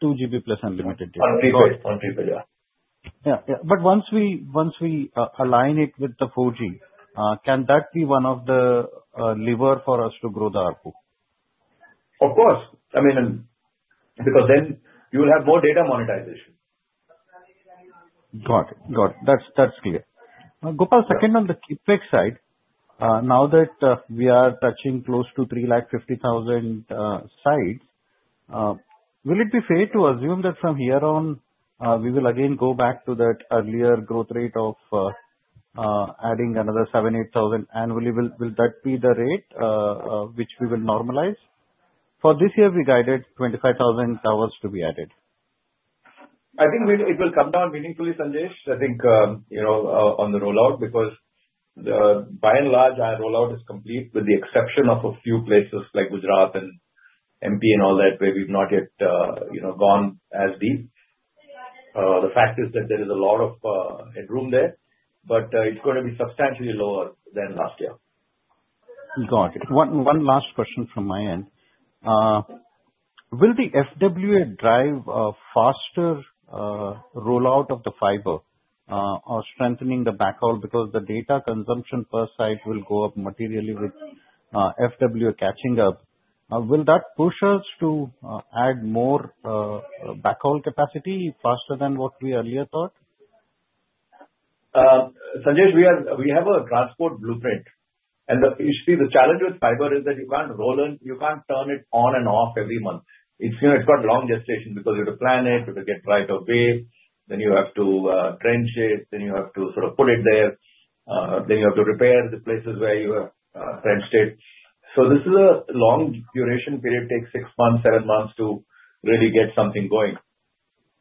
2 GB plus unlimited data. Unlimited prepaid. Unlimited prepaid, yeah. Yeah. Yeah. But once we align it with the 4G, can that be one of the levers for us to grow the ARPU? Of course. I mean, because then you will have more data monetization. Got it. Got it. That's clear. Gopal, second on the CapEx side, now that we are touching close to 350,000 sites, will it be fair to assume that from here on, we will again go back to that earlier growth rate of adding another 7,000, 8,000 annually? Will that be the rate which we will normalize? For this year, we guided 25,000 towers to be added. I think it will come down meaningfully, Sanjesh, I think, on the rollout because by and large, our rollout is complete with the exception of a few places like Gujarat and MP and all that where we've not yet gone as deep. The fact is that there is a lot of headroom there, but it's going to be substantially lower than last year. Got it. One last question from my end. Will the FWA drive a faster rollout of the fiber or strengthening the backhaul because the data consumption per site will go up materially with FWA catching up? Will that push us to add more backhaul capacity faster than what we earlier thought? Sanjesh, we have a grassroots blueprint. And you see, the challenge with fiber is that you can't roll it. You can't turn it on and off every month. It's got long gestation because you have to plan it, you have to get right away, then you have to trench it, then you have to sort of put it there, then you have to repair the places where you have trenched it. So this is a long duration period, it takes six months, seven months to really get something going,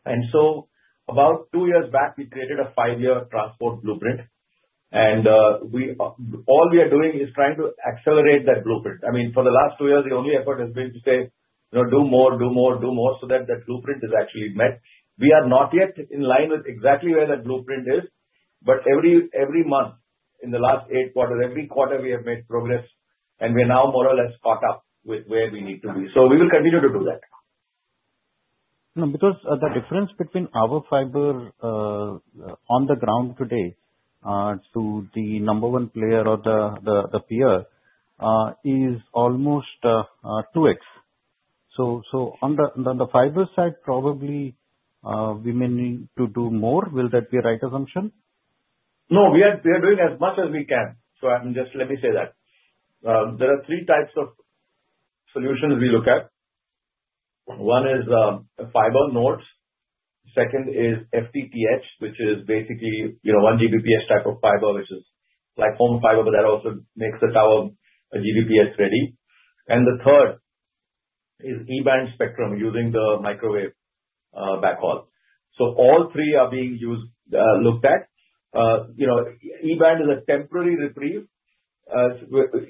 and so about two years back, we created a five-year transport blueprint. And all we are doing is trying to accelerate that blueprint. I mean, for the last two years, the only effort has been to say, "Do more, do more, do more," so that that blueprint is actually met. We are not yet in line with exactly where that blueprint is, but every month in the last eight quarters, every quarter, we have made progress, and we are now more or less caught up with where we need to be. So we will continue to do that. Because the difference between our fiber on the ground today to the number one player or the peer is almost 2x. So on the fiber side, probably we may need to do more. Will that be a right assumption? No, we are doing as much as we can. So let me say that. There are three types of solutions we look at. One is fiber nodes. Second is FTTH, which is basically 1 Gbps type of fiber, which is like home fiber, but that also makes the tower 1 Gbps ready, and the third is E-band spectrum using the microwave backhaul. So all three are being looked at. E-band is a temporary reprieve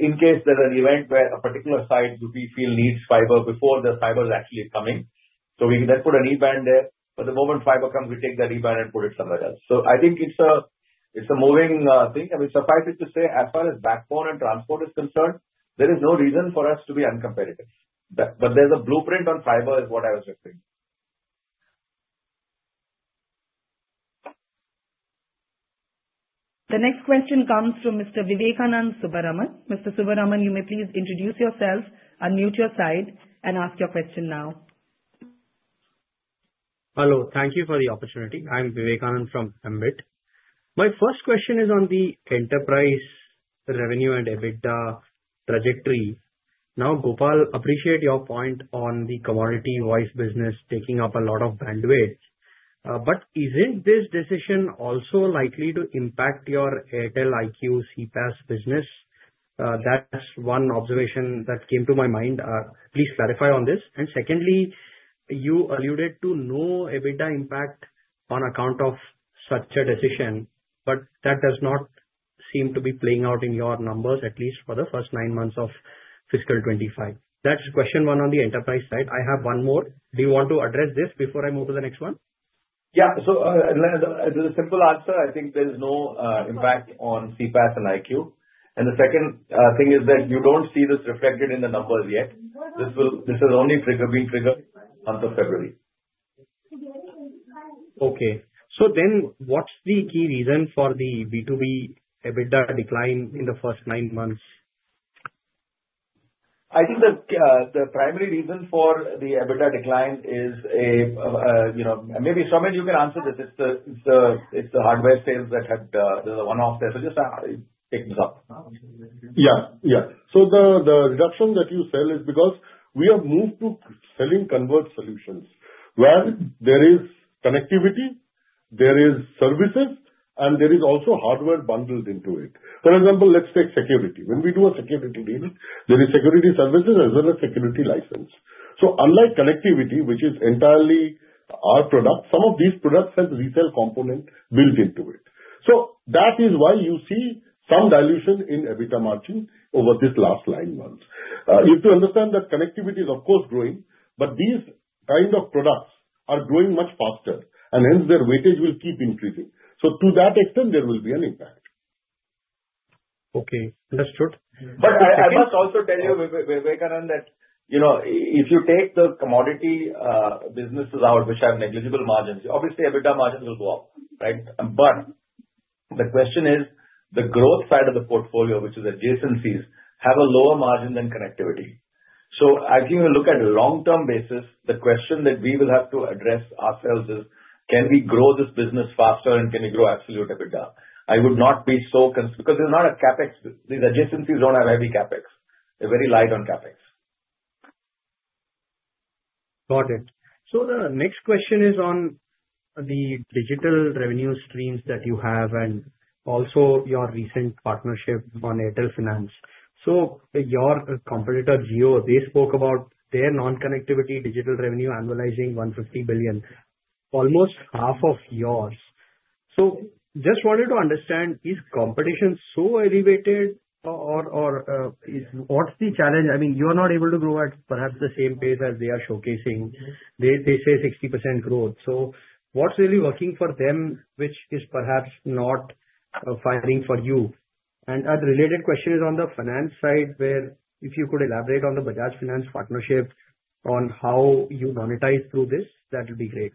in case there's an event where a particular site we feel needs fiber before the fiber is actually coming. So we can then put an E-band there. But the moment fiber comes, we take that E-band and put it somewhere else. So I think it's a moving thing. I mean, suffice it to say, as far as backbone and transport is concerned, there is no reason for us to be uncompetitive. But there's a blueprint on fiber is what I was referring. The next question comes from Mr. Vivekanand Subbaraman. Mr. Subbaraman, you may please introduce yourself, unmute your side, and ask your question now. Hello. Thank you for the opportunity. I'm Vivekanand from Ambit. My first question is on the enterprise revenue and EBITDA trajectory. Now, Gopal, I appreciate your point on the commodity voice business taking up a lot of bandwidth, but isn't this decision also likely to impact your Airtel IQ CPaaS business? That's one observation that came to my mind. Please clarify on this. And secondly, you alluded to no EBITDA impact on account of such a decision, but that does not seem to be playing out in your numbers, at least for the first nine months of fiscal 25. That's question one on the enterprise side. I have one more. Do you want to address this before I move to the next one? Yeah. So the simple answer, I think there's no impact on CPaaS and IQ. And the second thing is that you don't see this reflected in the numbers yet. This is only being triggered month of February. Okay. So then what's the key reason for the B2B EBITDA decline in the first nine months? I think the primary reason for the EBITDA decline is a. Maybe, Soumen, you can answer this. It's the hardware sales that had the one-off there. So just take this up. Yeah. So the reduction that you said is because we have moved to selling converged solutions where there is connectivity, there are services, and there is also hardware bundled into it. For example, let's take security. When we do a security deal, there are security services as well as security licenses. So unlike connectivity, which is entirely our product, some of these products have a resale component built into it. So that is why you see some dilution in EBITDA margin over these last nine months. You have to understand that connectivity is, of course, growing, but these kind of products are growing much faster, and hence their weightage will keep increasing. So to that extent, there will be an impact. Okay. Understood. But I must also tell you, Vivekanand, that if you take the commodity businesses out, which have negligible margins, obviously, EBITDA margins will go up, right? But the question is the growth side of the portfolio, which is adjacencies, have a lower margin than connectivity. So as you look at a long-term basis, the question that we will have to address ourselves is, can we grow this business faster, and can we grow absolute EBITDA? I would not be so concerned because there's not a CapEx. These adjacencies don't have heavy CapEx. They're very light on CapEx. Got it. The next question is on the digital revenue streams that you have and also your recent partnership on Airtel Finance. Your competitor, Jio, they spoke about their non-connectivity digital revenue annualizing 150 billion, almost half of yours. Just wanted to understand, is competition so elevated, or what's the challenge? I mean, you are not able to grow at perhaps the same pace as they are showcasing. They say 60% growth. So what's really working for them, which is perhaps not fighting for you? And a related question is on the finance side, where if you could elaborate on the Bajaj Finance partnership on how you monetize through this, that would be great.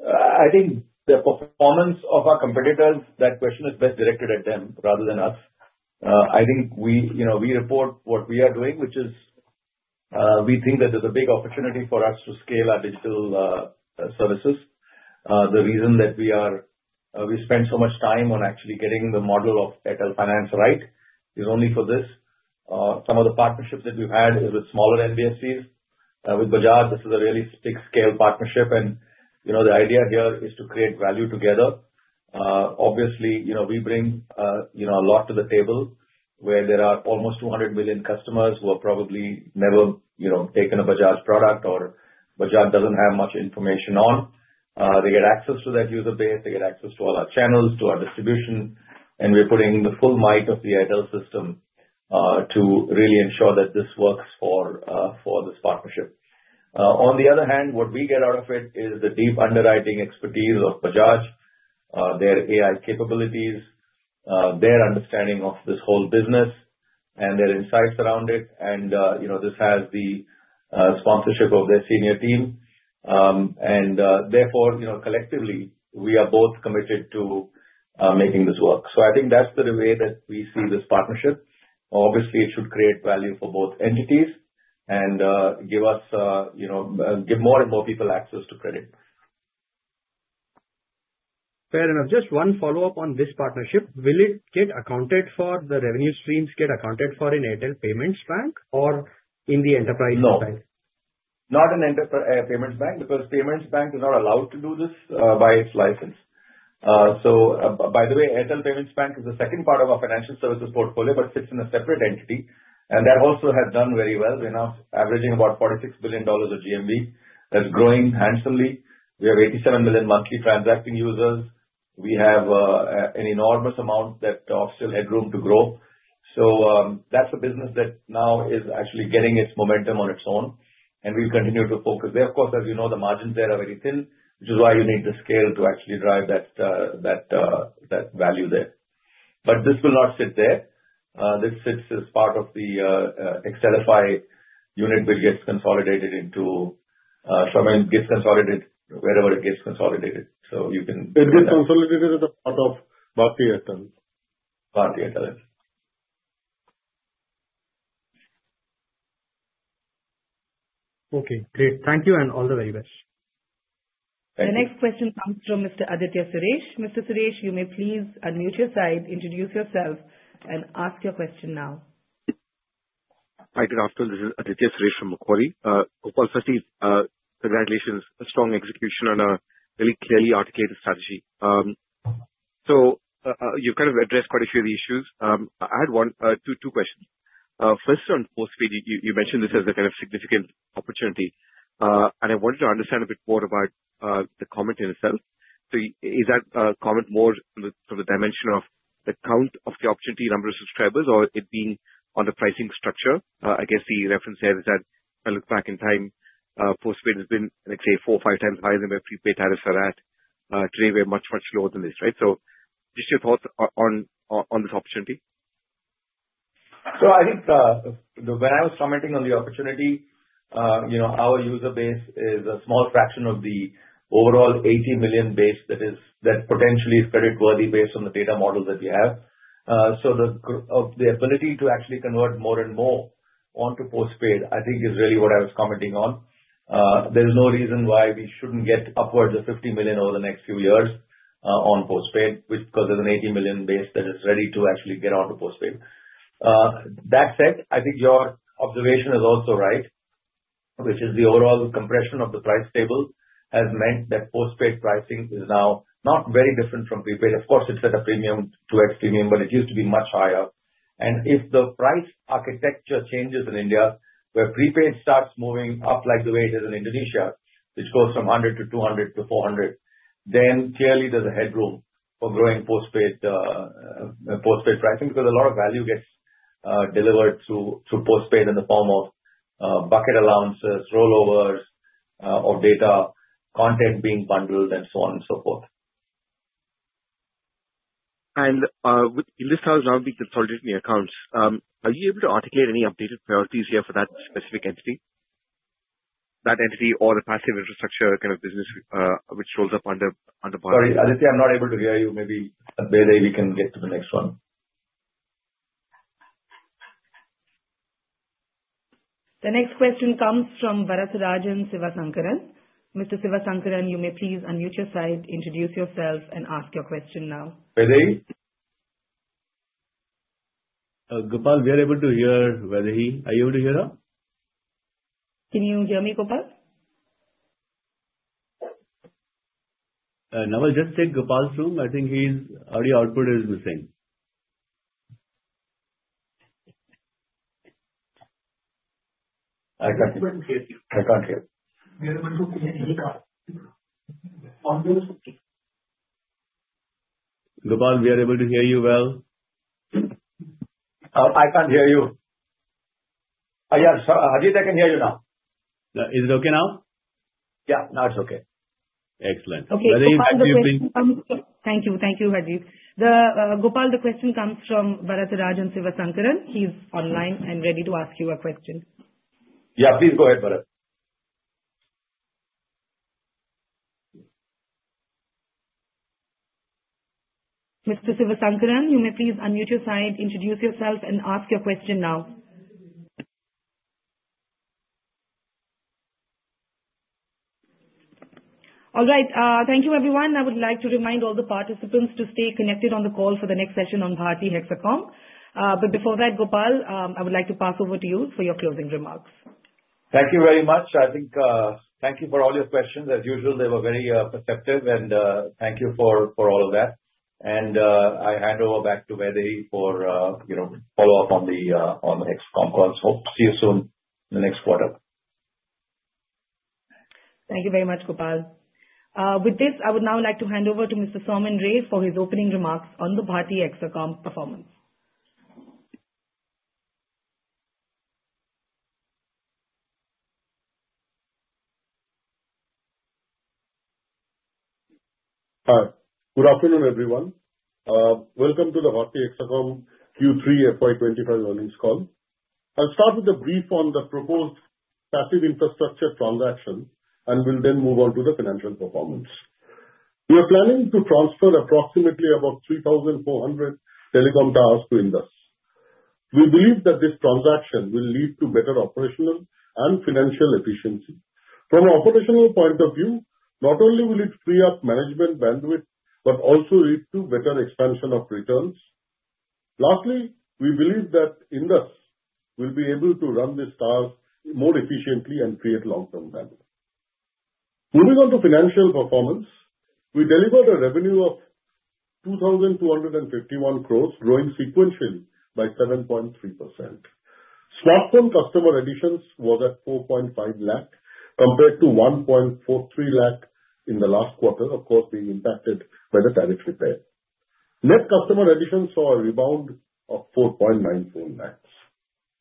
I think the performance of our competitors, that question is best directed at them rather than us. I think we report what we are doing, which is we think that there's a big opportunity for us to scale our digital services. The reason that we spend so much time on actually getting the model of Airtel Finance right is only for this. Some of the partnerships that we've had are with smaller NBFCs. With Bajaj, this is a really big-scale partnership, and the idea here is to create value together. Obviously, we bring a lot to the table where there are almost 200 million customers who have probably never taken a Bajaj product or Bajaj doesn't have much information on. They get access to that user base. They get access to all our channels, to our distribution, and we're putting the full might of the Airtel system to really ensure that this works for this partnership. On the other hand, what we get out of it is the deep underwriting expertise of Bajaj, their AI capabilities, their understanding of this whole business, and their insights around it. And this has the sponsorship of their senior team. And therefore, collectively, we are both committed to making this work. So I think that's the way that we see this partnership. Obviously, it should create value for both entities and give us, give more and more people access to credit. Fair enough. Just one follow-up on this partnership. Will it get accounted for? The revenue streams get accounted for in Airtel Payments Bank or in the enterprise bank? No. Not in Payments Bank because Payments Bank is not allowed to do this by its license. So by the way, Airtel Payments Bank is the second part of our financial services portfolio but sits in a separate entity. And that also has done very well. We're now averaging about $46 billion of GMV. That's growing handsomely. We have 87 million monthly transacting users. We have an enormous amount that offers headroom to grow. So that's a business that now is actually getting its momentum on its own, and we'll continue to focus there. Of course, as you know, the margins there are very thin, which is why you need the scale to actually drive that value there. But this will not sit there. This sits as part of the ecosystem unit which gets consolidated into Airtel. Airtel. Gets consolidated wherever it gets consolidated. It gets consolidated as a part of Bharti Airtel. Bharti Airtel. Okay. Great. Thank you and all the very best. The next question comes from Mr. Aditya Suresh. Mr. Suresh, you may please unmute your side, introduce yourself, and ask your question now. Hi, good afternoon. This is Aditya Suresh from Macquarie. Gopal, firstly, congratulations. Strong execution on a really clearly articulated strategy. So you've kind of addressed quite a few of the issues. I had two questions. First, on postpaid, you mentioned this as a kind of significant opportunity, and I wanted to understand a bit more about the comment in itself. So is that comment more from the dimension of the count of the opportunity, number of subscribers, or it being on the pricing structure? I guess the reference there is that I look back in time, postpaid has been, let's say, four or five times higher than where prepaid tariffs are at. Today, we're much, much lower than this, right? So just your thoughts on this opportunity. So I think when I was commenting on the opportunity, our user base is a small fraction of the overall 80 million base that potentially is creditworthy based on the data models that we have. So the ability to actually convert more and more onto post paid, I think, is really what I was commenting on. There's no reason why we shouldn't get upwards of 50 million over the next few years on post paid, which because there's an 80 million base that is ready to actually get onto post paid. That said, I think your observation is also right, which is the overall compression of the price table has meant that post paid pricing is now not very different from prepaid. Of course, it's at a premium, two-ex premium, but it used to be much higher. If the price architecture changes in India, where prepaid starts moving up like the way it is in Indonesia, which goes from 100 to 200 to 400, then clearly there's a headroom for growing postpaid pricing because a lot of value gets delivered through postpaid in the form of bucket allowances, rollovers of data, content being bundled, and so on and so forth. In this house, now we consolidate the accounts. Are you able to articulate any updated priorities here for that specific entity? That entity or the passive infrastructure kind of business which rolls up under Bharti? Sorry, Aditya, I'm not able to hear you. Maybe Vaidehi can get to the next one. The next question comes from Varatharajan Sivasankaran. Mr. Sivasankaran, you may please unmute your side, introduce yourself, and ask your question now. Vaidehi? Gopal, we are able to hear Vaidehi. Are you able to hear her? Can you hear me, Gopal? No, I'll just take Gopal's room. I think his audio output is missing. I can't hear you. Gopal, we are able to hear you well. I can't hear you. Yes, Harjeet, I can hear you now. Is it okay now? Yeah, now it's okay. Excellent. Okay. Thank you. Thank you, Harjeet. Gopal, the question comes from Varatharajan Sivasankaran. He's online and ready to ask you a question. Yeah, please go ahead, Varath. Mr. Sivasankaran, you may please unmute your side, introduce yourself, and ask your question now. All right. Thank you, everyone. I would like to remind all the participants to stay connected on the call for the next session on Bharti Hexacom. But before that, Gopal, I would like to pass over to you for your closing remarks. Thank you very much. I think, thank you for all your questions. As usual, they were very perceptive, and thank you for all of that, and I hand over back to Vaidehi for follow-up on the Hexacom calls. Hope to see you soon in the next quarter. Thank you very much, Gopal. With this, I would now like to hand over to Mr. Soumen for his opening remarks on the Bharti Hexacom performance. Good afternoon, everyone. Welcome to the Bharti Hexacom Q3 FY '25 Earnings Call. I'll start with a brief on the proposed passive infrastructure transaction, and we'll then move on to the financial performance. We are planning to transfer approximately about 3,400 telecom towers to Indus. We believe that this transaction will lead to better operational and financial efficiency. From an operational point of view, not only will it free up management bandwidth, but also lead to better expansion of returns. Lastly, we believe that Indus will be able to run these towers more efficiently and create long-term value. Moving on to financial performance, we delivered a revenue of 2,251 crores, growing sequentially by 7.3%. Smartphone customer additions were at 4.5 lakh compared to 1.43 lakh in the last quarter, of course, being impacted by the tariff repair. Net customer additions saw a rebound of 4.94 lakhs,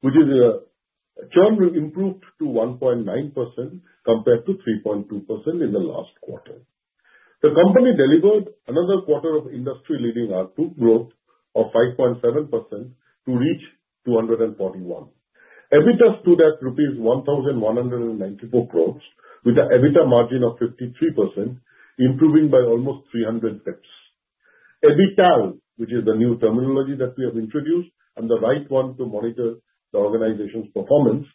which is a churn improved to 1.9% compared to 3.2% in the last quarter. The company delivered another quarter of industry-leading R2 growth of 5.7% to reach 241. EBITDA stood at INR 1,194 crores, with an EBITDA margin of 53%, improving by almost 300 bps. EBITDAaL, which is the new terminology that we have introduced and the right one to monitor the organization's performance,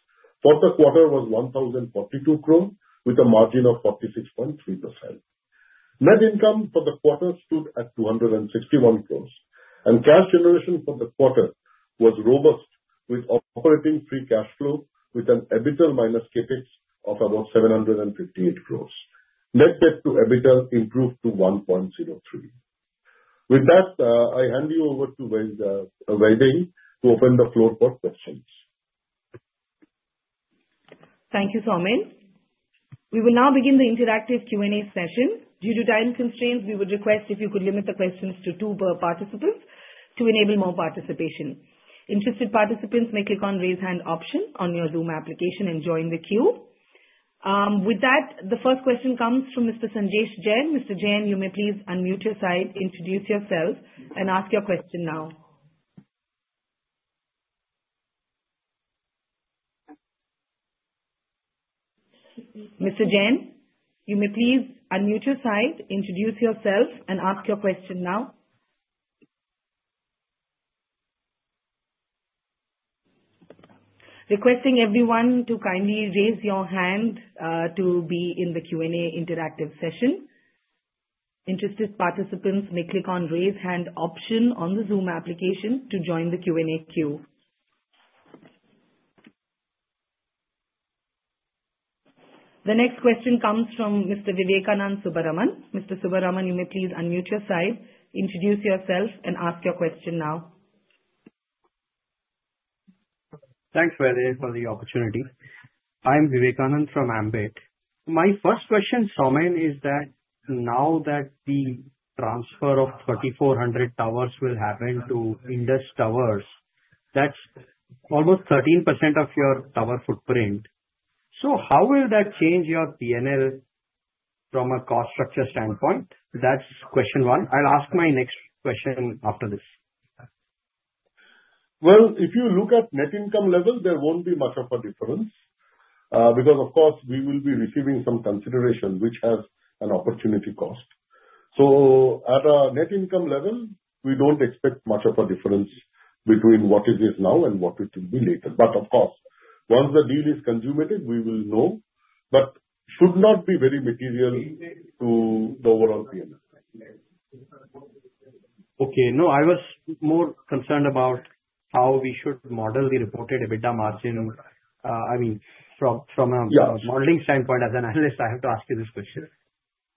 for the quarter was 1,042 crores, with a margin of 46.3%. Net income for the quarter stood at 261 crores, and cash generation for the quarter was robust, with operating free cash flow, with an EBITDA minus CapEx of about 758 crores. Net debt to EBITDA improved to 1.03. With that, I hand you over to Vaidehi to open the floor for questions. Thank you, Soumen. We will now begin the interactive Q&A session. Due to time constraints, we would request if you could limit the questions to two participants to enable more participation. Interested participants may click on the raise hand option on your Zoom application and join the queue. With that, the first question comes from Mr. Sanjesh Jain. Mr. Jain, you may please unmute your side, introduce yourself, and ask your question now. Requesting everyone to kindly raise your hand to be in the Q&A interactive session. Interested participants may click on the raise hand option on the Zoom application to join the Q&A queue. The next question comes from Mr. Vivekanand Subbaraman. Mr. Subbaraman, you may please unmute your side, introduce yourself, and ask your question now. Thanks, Vaidehi, for the opportunity. I'm Vivekanand from Ambit. My first question, Soumen, is that now that the transfer of 3,400 towers will happen to Indus Towers, that's almost 13% of your tower footprint. So how will that change your P&L from a cost structure standpoint? That's question one. I'll ask my next question after this. Well, if you look at net income level, there won't be much of a difference because, of course, we will be receiving some consideration, which has an opportunity cost. So at a net income level, we don't expect much of a difference between what it is now and what it will be later. But of course, once the deal is consummated, we will know, but it should not be very material to the overall P&L. Okay. No, I was more concerned about how we should model the reported EBITDA margin. I mean, from a modeling standpoint, as an analyst, I have to ask you this question.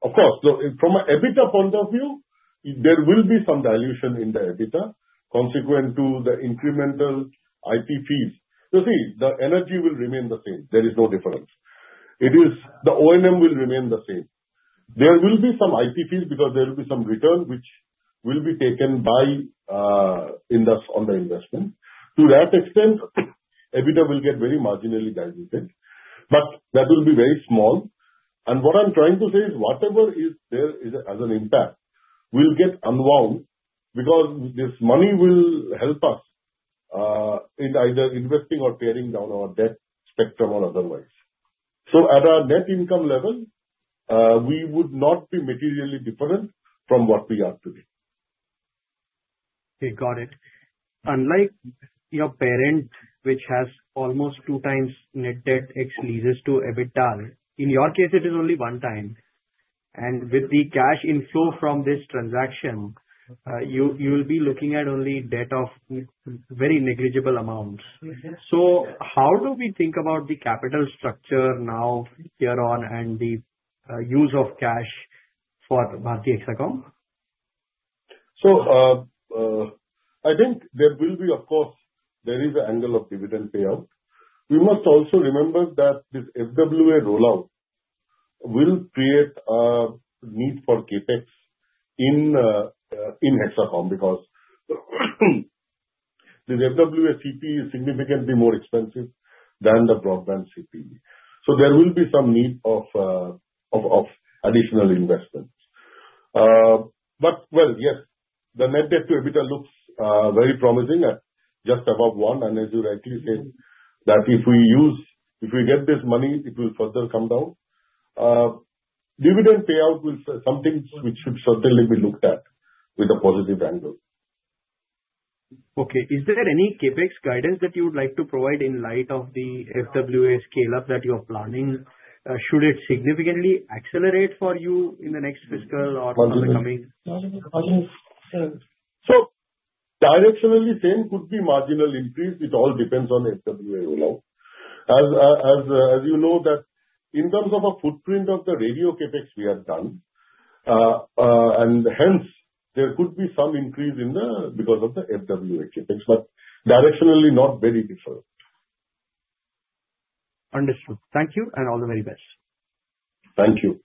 Of course. From an EBITDA point of view, there will be some dilution in the EBITDA consequent to the incremental IP fees. You see, the energy will remain the same. There is no difference. The O&M will remain the same. There will be some IP fees because there will be some return which will be taken by Indus on the investment. To that extent, EBITDA will get very marginally diluted, but that will be very small. And what I'm trying to say is whatever is there as an impact will get unwound because this money will help us in either investing or paring down our debt spectrum or otherwise. So at a net income level, we would not be materially different from what we are today. Okay. Got it. Unlike your parent, which has almost two times net debt ex leases to EBITDAaL, in your case, it is only one time. And with the cash inflow from this transaction, you will be looking at only debt of very negligible amounts. So how do we think about the capital structure now, here on, and the use of cash for Bharti Hexacom? So I think there will be, of course, there is an angle of dividend payout. We must also remember that this FWA rollout will create a need for CapEx in Hexacom because this FWA CPE is significantly more expensive than the broadband CPE. So there will be some need of additional investments. But well, yes, the net debt to EBITDA looks very promising, just above one. And as you rightly said, that if we get this money, it will further come down. Dividend payout will be something which should certainly be looked at with a positive angle. Okay. Is there any CapEx guidance that you would like to provide in light of the FWA scale-up that you are planning? Should it significantly accelerate for you in the next fiscal or coming? So directionally, there could be marginal increase. It all depends on the FWA rollout. As you know, in terms of a footprint of the radio CapEx we have done, and hence, there could be some increase because of the FWA CapEx, but directionally, not very different. Understood. Thank you, and all the very best. Thank you.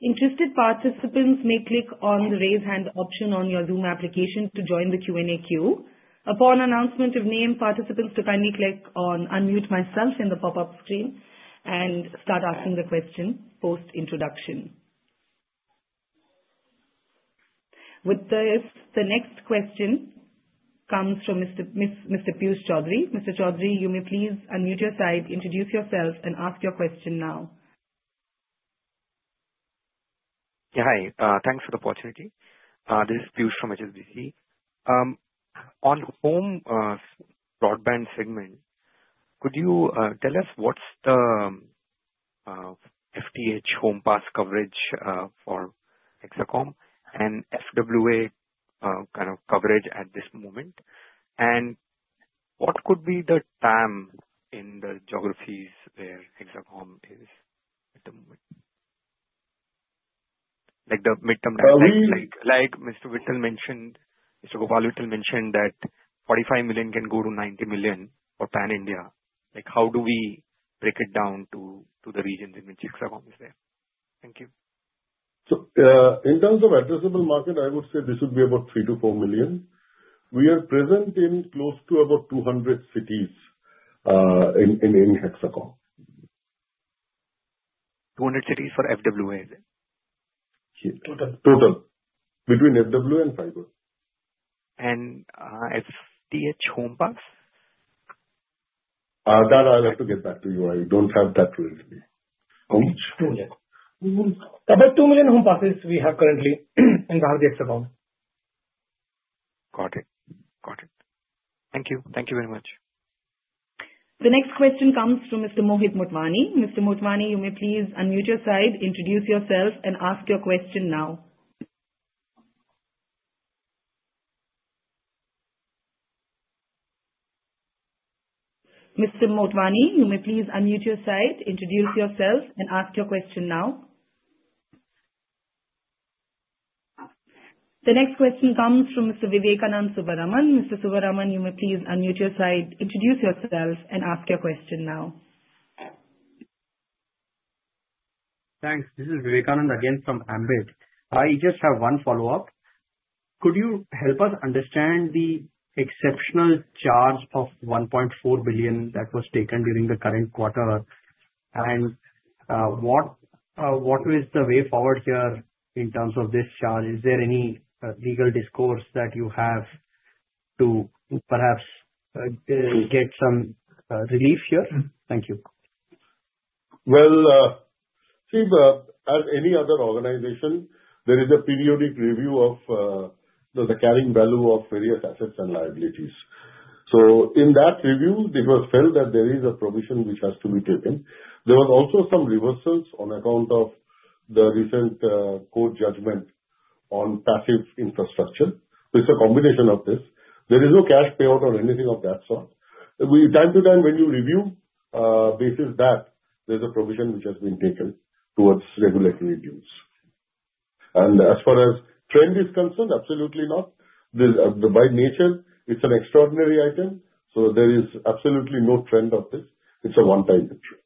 Interested participants may click on the raise hand option on your Zoom application to join the Q&A queue. Upon announcement of name, participants to kindly click on unmute myself in the pop-up screen and start asking the question post introduction. With this, the next question comes from Mr. Piyush Choudhary. Mr. Choudhary, you may please unmute your side, introduce yourself, and ask your question now. Hi. Thanks for the opportunity. This is Piyush from HSBC. On home broadband segment, could you tell us what's the FTTH Home Pass coverage for Hexacom and FWA kind of coverage at this moment? What could be the TAM in the geographies where Hexacom is at the moment? Like the mid-term landscape. Like Mr. Gopal Vittal mentioned that 45 million can go to 90 million for Pan India. How do we break it down to the regions in which Hexacom is there? Thank you. So in terms of addressable market, I would say this would be about 3 to 4 million. We are present in close to about 200 cities in Hexacom. 200 cities for FWA, is it? Total. Between FWA and fiber. And FTTH Home Pass? That I'll have to get back to you. I don't have that ready. About 2 million Home Passes we have currently in Bharti Hexacom. Got it. Got it. Thank you. Thank you very much. The next question comes from Mr. Mohit Motwani. Mr. Motwani, you may please unmute your side, introduce yourself, and ask your question now. Mr. Motwani, you may please unmute your side, introduce yourself, and ask your question now. The next question comes from Mr. Vivekanand Subbaraman. Mr. Subbaraman, you may please unmute your side, introduce yourself, and ask your question now. Thanks. This is Vivekanand again from Ambit. I just have one follow-up. Could you help us understand the exceptional charge of 1.4 billion that was taken during the current quarter? And what is the way forward here in terms of this charge? Is there any legal recourse that you have to perhaps get some relief here? Thank you. Well, see, as any other organization, there is a periodic review of the carrying value of various assets and liabilities. So in that review, it was felt that there is a provision which has to be taken. There were also some reversals on account of the recent court judgment on passive infrastructure. It's a combination of this. There is no cash payout or anything of that sort. From time to time, when you review, based on that there's a provision which has been taken towards regulatory dues. And as far as trend is concerned, absolutely not. By nature, it's an extraordinary item. So there is absolutely no trend of this. It's a one-time issue.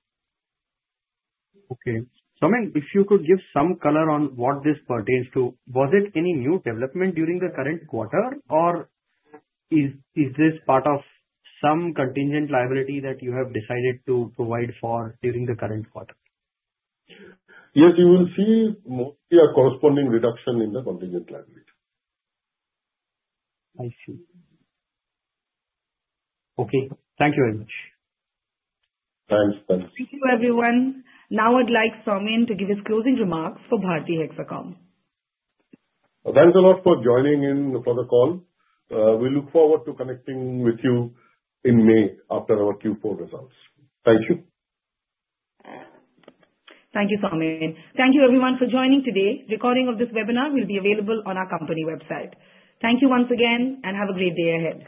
Okay. Soumen, if you could give some color on what this pertains to, was it any new development during the current quarter, or is this part of some contingent liability that you have decided to provide for during the current quarter? Yes, you will see mostly a corresponding reduction in the contingent liability. I see. Okay. Thank you very much. Thanks. Thank you. Thank you, everyone. Now I'd like Soumen to give his closing remarks for Bharti Hexacom. Thanks a lot for joining in for the call. We look forward to connecting with you in May after our Q4 results. Thank you. Thank you, Soumen. Thank you, everyone, for joining today. Recording of this webinar will be available on our company website. Thank you once again, and have a great day ahead.